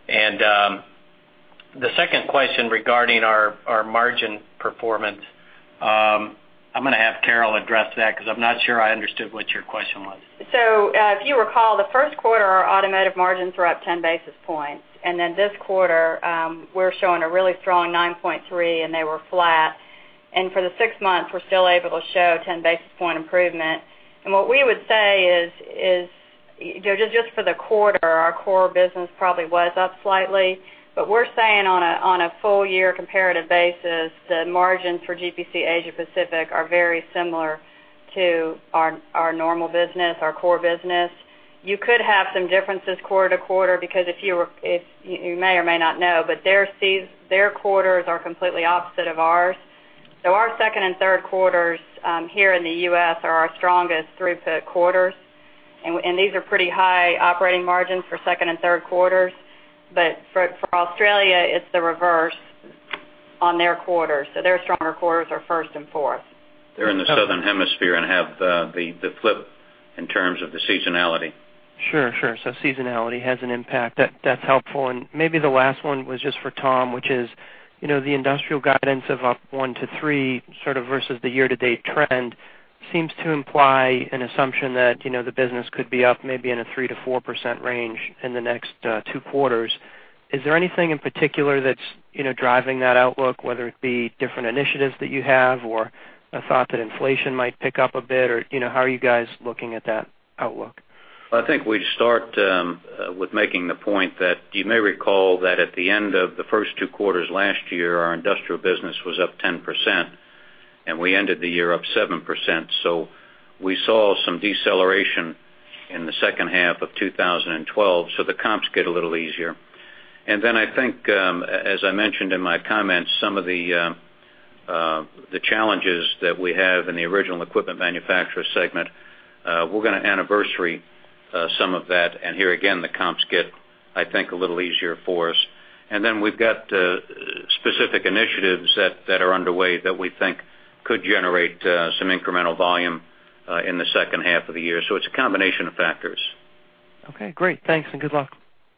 S4: The second question regarding our margin performance, I'm going to have Carol address that because I'm not sure I understood what your question was.
S5: If you recall, the first quarter, our Automotive margins were up 10 basis points. Then this quarter, we're showing a really strong 9.3, and they were flat. For the six months, we're still able to show 10 basis point improvement. What we would say is, just for the quarter, our core business probably was up slightly, but we're saying on a full-year comparative basis, the margin for GPC Asia Pacific are very similar to our normal business, our core business. You could have some differences quarter to quarter because, you may or may not know, but their quarters are completely opposite of ours. Our second and third quarters here in the U.S. are our strongest throughput quarters, and these are pretty high operating margins for second and third quarters. For Australia, it's the reverse on their quarters. Their stronger quarters are first and fourth.
S3: They're in the Southern Hemisphere and have the flip in terms of the seasonality.
S9: Sure. Seasonality has an impact. That's helpful. Maybe the last one was just for Tom, which is, the industrial guidance of up 1%-3%, sort of versus the year-to-date trend seems to imply an assumption that the business could be up maybe in a 3%-4% range in the next two quarters. Is there anything in particular that's driving that outlook, whether it be different initiatives that you have or a thought that inflation might pick up a bit? How are you guys looking at that outlook?
S3: I think we'd start with making the point that you may recall that at the end of the first two quarters last year, our industrial business was up 10%, and we ended the year up 7%. We saw some deceleration in the second half of 2012, the comps get a little easier. Then I think, as I mentioned in my comments, some of the challenges that we have in the original equipment manufacturer segment, we're going to anniversary some of that. Here again, the comps get, I think, a little easier for us. Then we've got specific initiatives that are underway that we think could generate some incremental volume In the second half of the year. It's a combination of factors.
S9: Okay, great. Thanks and good luck.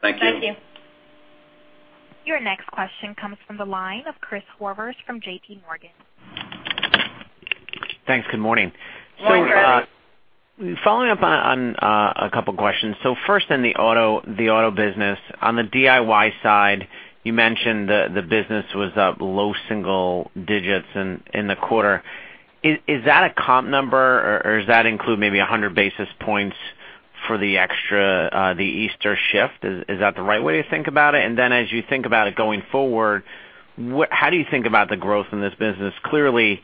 S4: Thank you.
S5: Thank you.
S1: Your next question comes from the line of Christopher Horvers from JPMorgan.
S10: Thanks. Good morning.
S5: Good morning.
S10: Following up on a couple of questions. First in the auto business, on the DIY side, you mentioned the business was up low single digits in the quarter. Is that a comp number, or does that include maybe 100 basis points for the extra Easter shift? Is that the right way to think about it? As you think about it going forward, how do you think about the growth in this business? Clearly,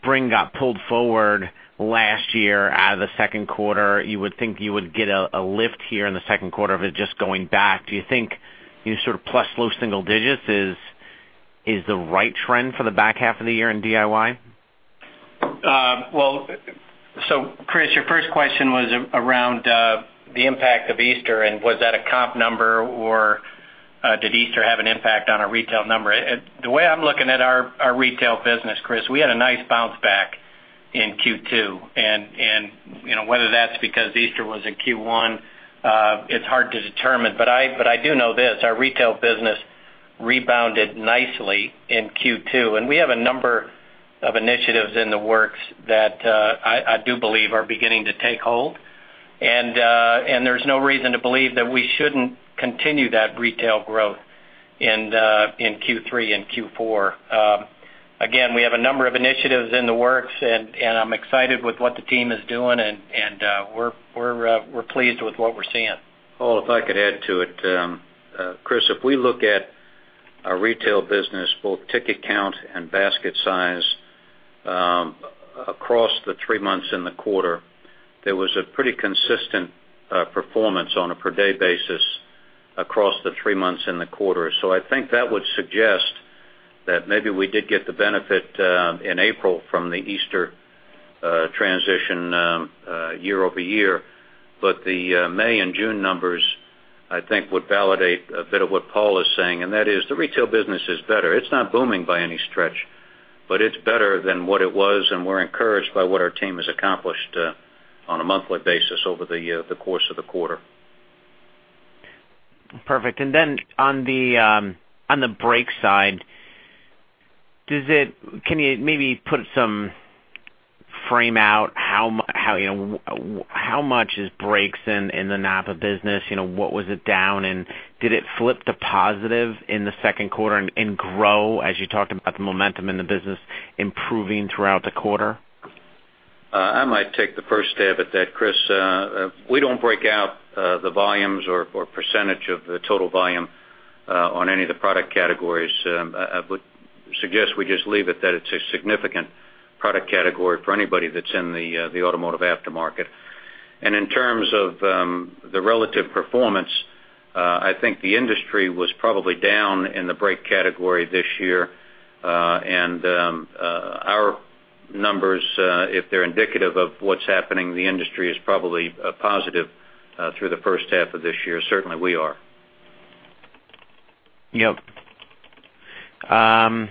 S10: spring got pulled forward last year out of the second quarter. You would think you would get a lift here in the second quarter of it just going back. Do you think you sort of plus low single digits is the right trend for the back half of the year in DIY?
S4: Chris, your first question was around the impact of Easter and was that a comp number or did Easter have an impact on our retail number? The way I'm looking at our retail business, Chris, we had a nice bounce back in Q2, and whether that's because Easter was in Q1, it's hard to determine. I do know this: our retail business rebounded nicely in Q2, and we have a number of initiatives in the works that I do believe are beginning to take hold. There's no reason to believe that we shouldn't continue that retail growth in Q3 and Q4. Again, we have a number of initiatives in the works, I'm excited with what the team is doing, and we're pleased with what we're seeing.
S3: Paul, if I could add to it. Chris, if we look at our retail business, both ticket count and basket size, across the three months in the quarter, there was a pretty consistent performance on a per-day basis across the three months in the quarter. I think that would suggest that maybe we did get the benefit in April from the Easter transition year-over-year. The May and June numbers, I think, would validate a bit of what Paul is saying, that is the retail business is better. It's not booming by any stretch, but it's better than what it was, and we're encouraged by what our team has accomplished on a monthly basis over the course of the quarter.
S10: Perfect. Then on the brake side, can you maybe put some frame out how much is brakes in the NAPA business? What was it down, and did it flip to positive in the second quarter and grow as you talked about the momentum in the business improving throughout the quarter?
S3: I might take the first stab at that, Chris. We don't break out the volumes or percentage of the total volume on any of the product categories. I would suggest we just leave it that it's a significant product category for anybody that's in the automotive aftermarket. In terms of the relative performance, I think the industry was probably down in the brake category this year. Our numbers, if they're indicative of what's happening in the industry, is probably a positive through the first half of this year. Certainly, we are.
S10: Yep. Okay.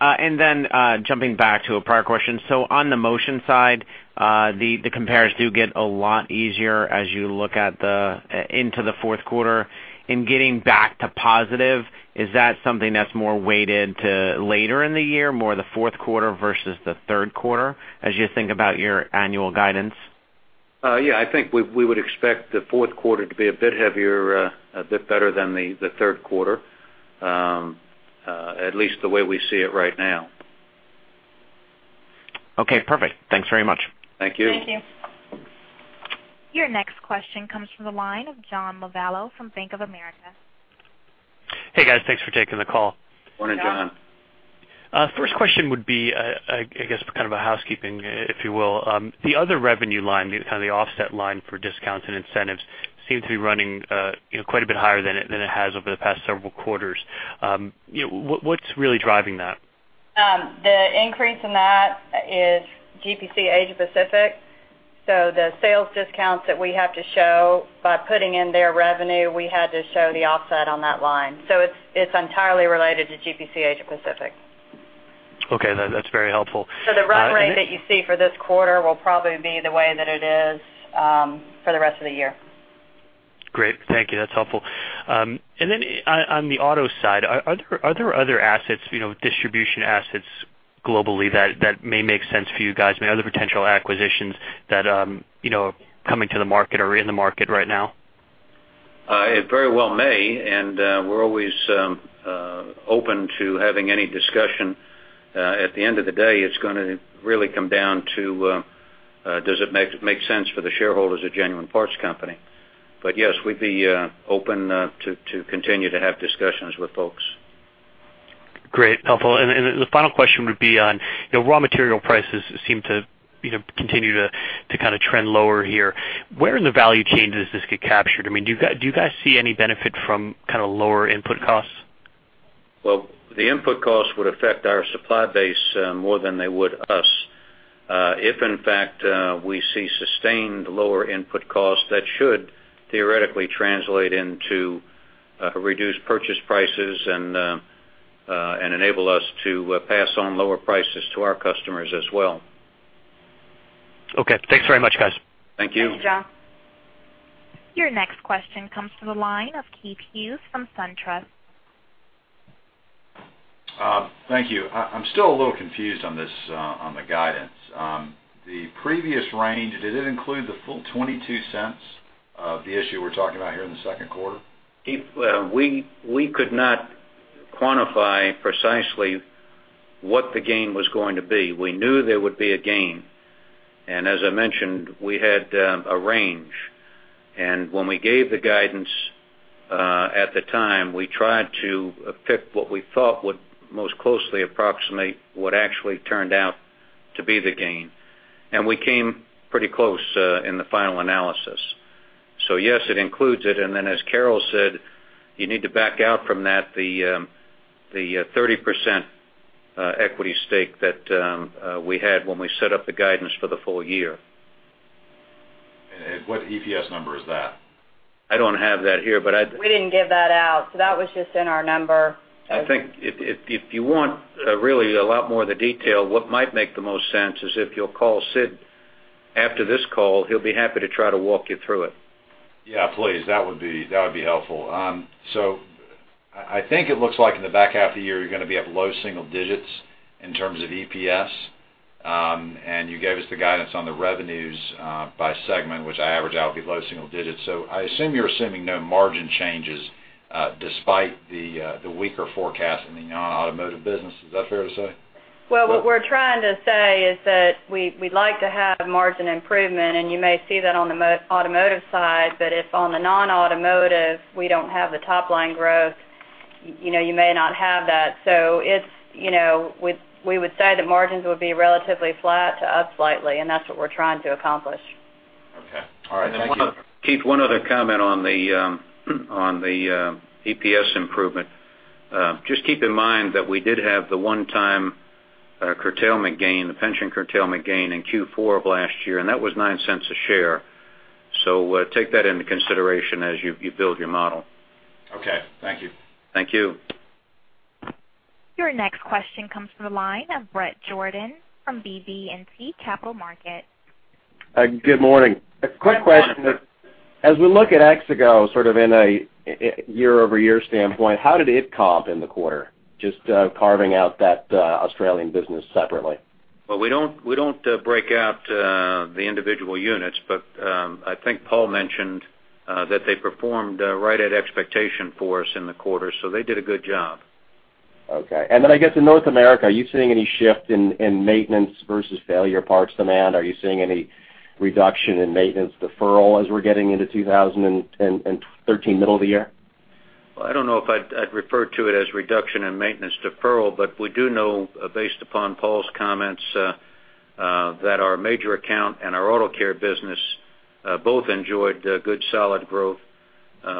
S10: Then jumping back to a prior question. On the motion side, the compares do get a lot easier as you look into the fourth quarter. In getting back to positive, is that something that's more weighted to later in the year, more the fourth quarter versus the third quarter, as you think about your annual guidance?
S3: Yeah, I think we would expect the fourth quarter to be a bit heavier, a bit better than the third quarter. At least the way we see it right now.
S10: Okay, perfect. Thanks very much.
S3: Thank you.
S5: Thank you.
S1: Your next question comes from the line of John Lovallo from Bank of America.
S11: Hey, guys. Thanks for taking the call.
S3: Morning, John.
S11: First question would be, I guess, kind of a housekeeping, if you will. The other revenue line, kind of the offset line for discounts and incentives, seem to be running quite a bit higher than it has over the past several quarters. What's really driving that?
S5: The increase in that is GPC Asia Pacific. The sales discounts that we have to show by putting in their revenue, we had to show the offset on that line. It's entirely related to GPC Asia Pacific.
S11: Okay. That's very helpful.
S5: The run rate that you see for this quarter will probably be the way that it is for the rest of the year.
S11: Great. Thank you. That's helpful. On the auto side, are there other assets, distribution assets globally that may make sense for you guys? I mean, are there potential acquisitions that are coming to the market or are in the market right now?
S3: It very well may, and we're always open to having any discussion. At the end of the day, it's going to really come down to does it make sense for the shareholders of Genuine Parts Company. Yes, we'd be open to continue to have discussions with folks.
S11: Great. Helpful. The final question would be on raw material prices seem to continue to kind of trend lower here. Where in the value chain does this get captured? I mean, do you guys see any benefit from kind of lower input costs?
S3: Well, the input costs would affect our supply base more than they would us. If in fact we see sustained lower input costs, that should theoretically translate into reduced purchase prices and enable us to pass on lower prices to our customers as well.
S11: Okay. Thanks very much, guys.
S3: Thank you.
S5: Thanks, John.
S1: Your next question comes to the line of Keith Hughes from SunTrust.
S12: Thank you. I'm still a little confused on the guidance. The previous range, did it include the full $0.22 of the issue we're talking about here in the second quarter?
S3: Keith, we could not quantify precisely what the gain was going to be. We knew there would be a gain. As I mentioned, we had a range. When we gave the guidance, at the time, we tried to pick what we thought would most closely approximate what actually turned out to be the gain. We came pretty close in the final analysis. Yes, it includes it, and then as Carol said, you need to back out from that the 30% equity stake that we had when we set up the guidance for the full year.
S12: What EPS number is that?
S3: I don't have that here.
S5: We didn't give that out, so that was just in our number.
S3: I think if you want really a lot more of the detail, what might make the most sense is if you'll call Sid after this call, he'll be happy to try to walk you through it.
S12: Yeah, please. That would be helpful. I think it looks like in the back half of the year, you're going to be at low single digits in terms of EPS. You gave us the guidance on the revenues by segment, which I average out to be low single digits. I assume you're assuming no margin changes, despite the weaker forecast in the non-automotive business. Is that fair to say?
S5: Well, what we're trying to say is that we'd like to have margin improvement. You may see that on the automotive side, but if on the non-automotive, we don't have the top-line growth, you may not have that. We would say the margins would be relatively flat to up slightly, and that's what we're trying to accomplish.
S12: Okay. All right. Thank you.
S3: Keith, one other comment on the EPS improvement. Just keep in mind that we did have the one-time curtailment gain, the pension curtailment gain in Q4 of last year. That was $0.09 a share. Take that into consideration as you build your model.
S12: Okay. Thank you.
S3: Thank you.
S1: Your next question comes from the line of Bret Jordan from BB&T Capital Markets.
S13: Good morning. A quick question. As we look at Exego sort of in a year-over-year standpoint, how did it comp in the quarter? Just carving out that Australian business separately.
S3: Well, we don't break out the individual units, but, I think Paul mentioned that they performed right at expectation for us in the quarter, so they did a good job.
S13: Okay. I guess in North America, are you seeing any shift in maintenance versus failure parts demand? Are you seeing any reduction in maintenance deferral as we're getting into 2013, middle of the year?
S3: Well, I don't know if I'd refer to it as reduction in maintenance deferral, but we do know, based upon Paul's comments, that our major account and our auto care business both enjoyed good, solid growth,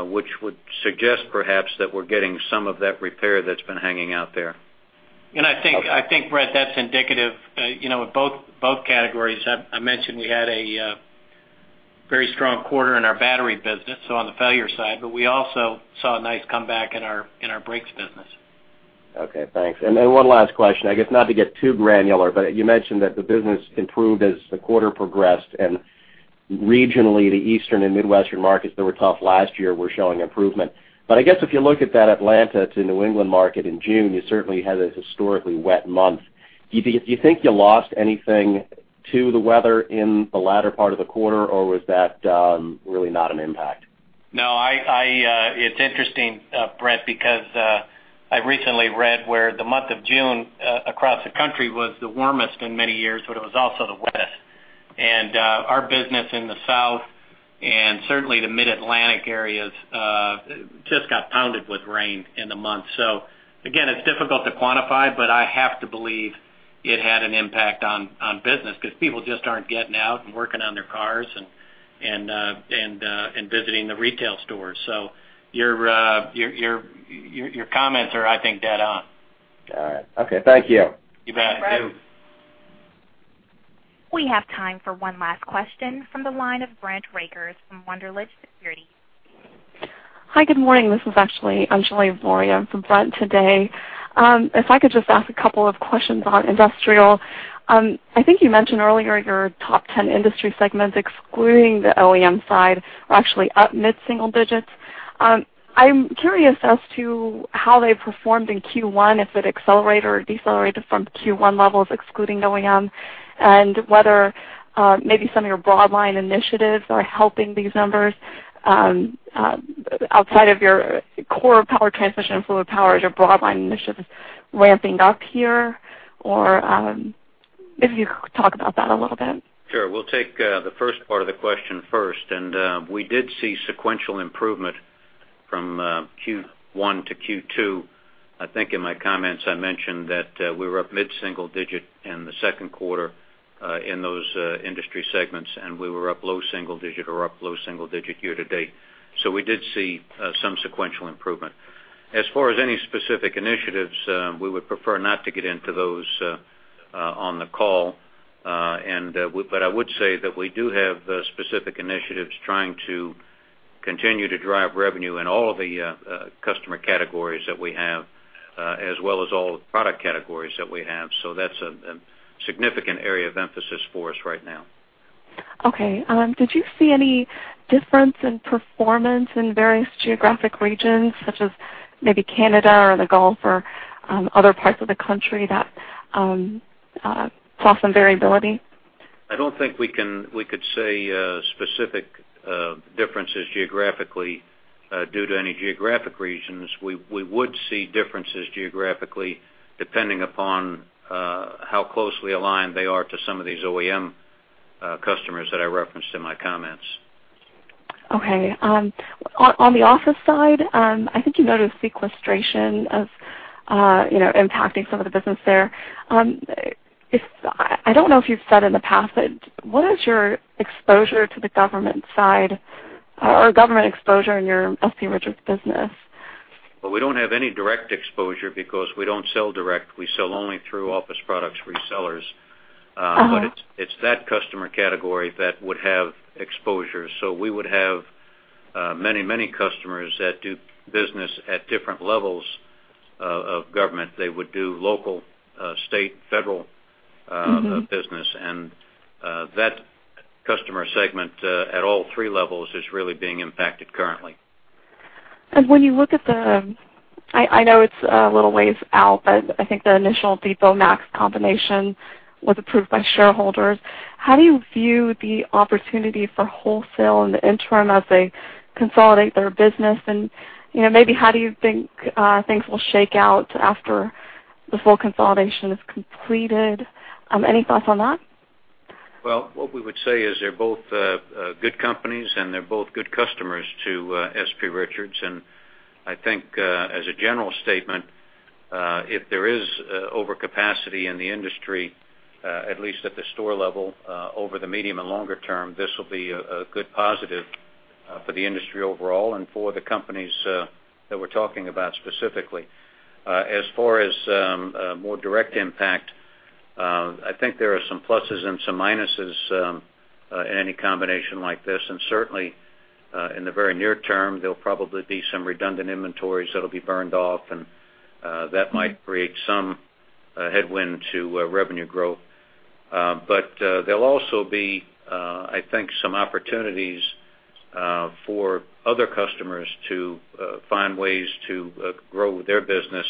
S3: which would suggest perhaps that we're getting some of that repair that's been hanging out there.
S4: I think, Bret, that's indicative of both categories. I mentioned we had a very strong quarter in our battery business, so on the failure side, but we also saw a nice comeback in our brakes business.
S13: Then one last question, I guess, not to get too granular, but you mentioned that the business improved as the quarter progressed, and regionally, the Eastern and Midwestern markets that were tough last year were showing improvement. I guess if you look at that Atlanta to New England market in June, you certainly had a historically wet month. Do you think you lost anything to the weather in the latter part of the quarter, or was that really not an impact?
S4: No. It's interesting, Bret, because I recently read where the month of June across the country was the warmest in many years, but it was also the wettest. Our business in the South and certainly the Mid-Atlantic areas just got pounded with rain in the month. Again, it's difficult to quantify, but I have to believe it had an impact on business because people just aren't getting out and working on their cars and visiting the retail stores. Your comments are, I think, dead on.
S13: All right. Okay, thank you.
S4: You bet. I do.
S1: We have time for one last question from the line of Brent Rakers from Wunderlich Securities.
S14: Hi, good morning. This is actually Anjali Voria from Brent today. If I could just ask a couple of questions on industrial. I think you mentioned earlier your top 10 industry segments, excluding the OEM side, are actually up mid-single digits. I'm curious as to how they performed in Q1, if it accelerated or decelerated from Q1 levels excluding OEM, and whether maybe some of your broad line initiatives are helping these numbers. Outside of your core power transmission and fluid power, are your broad line initiatives ramping up here, or if you could talk about that a little bit?
S3: Sure. We'll take the first part of the question first. We did see sequential improvement from Q1 to Q2. I think in my comments, I mentioned that we were up mid-single digit in the second quarter in those industry segments, and we were up low single digit or up low single digit year to date. We did see some sequential improvement. As far as any specific initiatives, we would prefer not to get into those on the call. I would say that we do have specific initiatives trying to continue to drive revenue in all of the customer categories that we have, as well as all the product categories that we have. That's a significant area of emphasis for us right now.
S14: Okay. Did you see any difference in performance in various geographic regions, such as maybe Canada or the Gulf or other parts of the country that saw some variability?
S3: I don't think we could say specific differences geographically due to any geographic regions. We would see differences geographically, depending upon how closely aligned they are to some of these OEM customers that I referenced in my comments.
S14: Okay. On the office side, I think you noted sequestration impacting some of the business there. I don't know if you've said in the past, but what is your exposure to the government side or government exposure in your S.P. Richards business?
S3: Well, we don't have any direct exposure because we don't sell direct. We sell only through office products resellers. It's that customer category that would have exposure. We would have many customers that do business at different levels of government. They would do local, state, federal business. That customer segment at all three levels is really being impacted currently.
S14: When you look at the, I know it's a little ways out, I think the initial Office Depot-OfficeMax combination was approved by shareholders. How do you view the opportunity for wholesale in the interim as they consolidate their business? Maybe how do you think things will shake out after the full consolidation is completed? Any thoughts on that?
S3: What we would say is they're both good companies, they're both good customers to S.P. Richards. I think, as a general statement, if there is overcapacity in the industry, at least at the store level, over the medium and longer term, this will be a good positive for the industry overall and for the companies that we're talking about specifically. As far as more direct impact, I think there are some pluses and some minuses in any combination like this. Certainly, in the very near term, there'll probably be some redundant inventories that'll be burned off, and that might create some headwind to revenue growth. There'll also be, I think, some opportunities for other customers to find ways to grow their business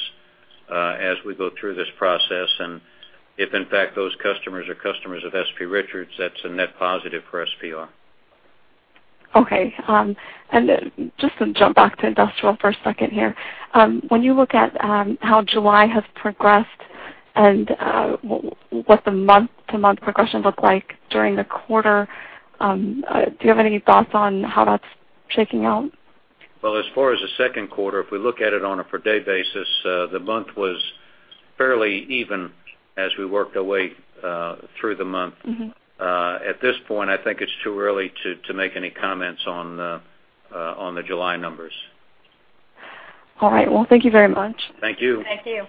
S3: as we go through this process. If, in fact, those customers are customers of S.P. Richards, that's a net positive for SPR.
S14: Okay. Then just to jump back to industrial for a second here. When you look at how July has progressed and what the month-to-month progression looked like during the quarter, do you have any thoughts on how that's shaking out?
S3: As far as the second quarter, if we look at it on a per day basis, the month was fairly even as we worked our way through the month. At this point, I think it's too early to make any comments on the July numbers.
S14: All right. Well, thank you very much.
S3: Thank you.
S15: Thank you.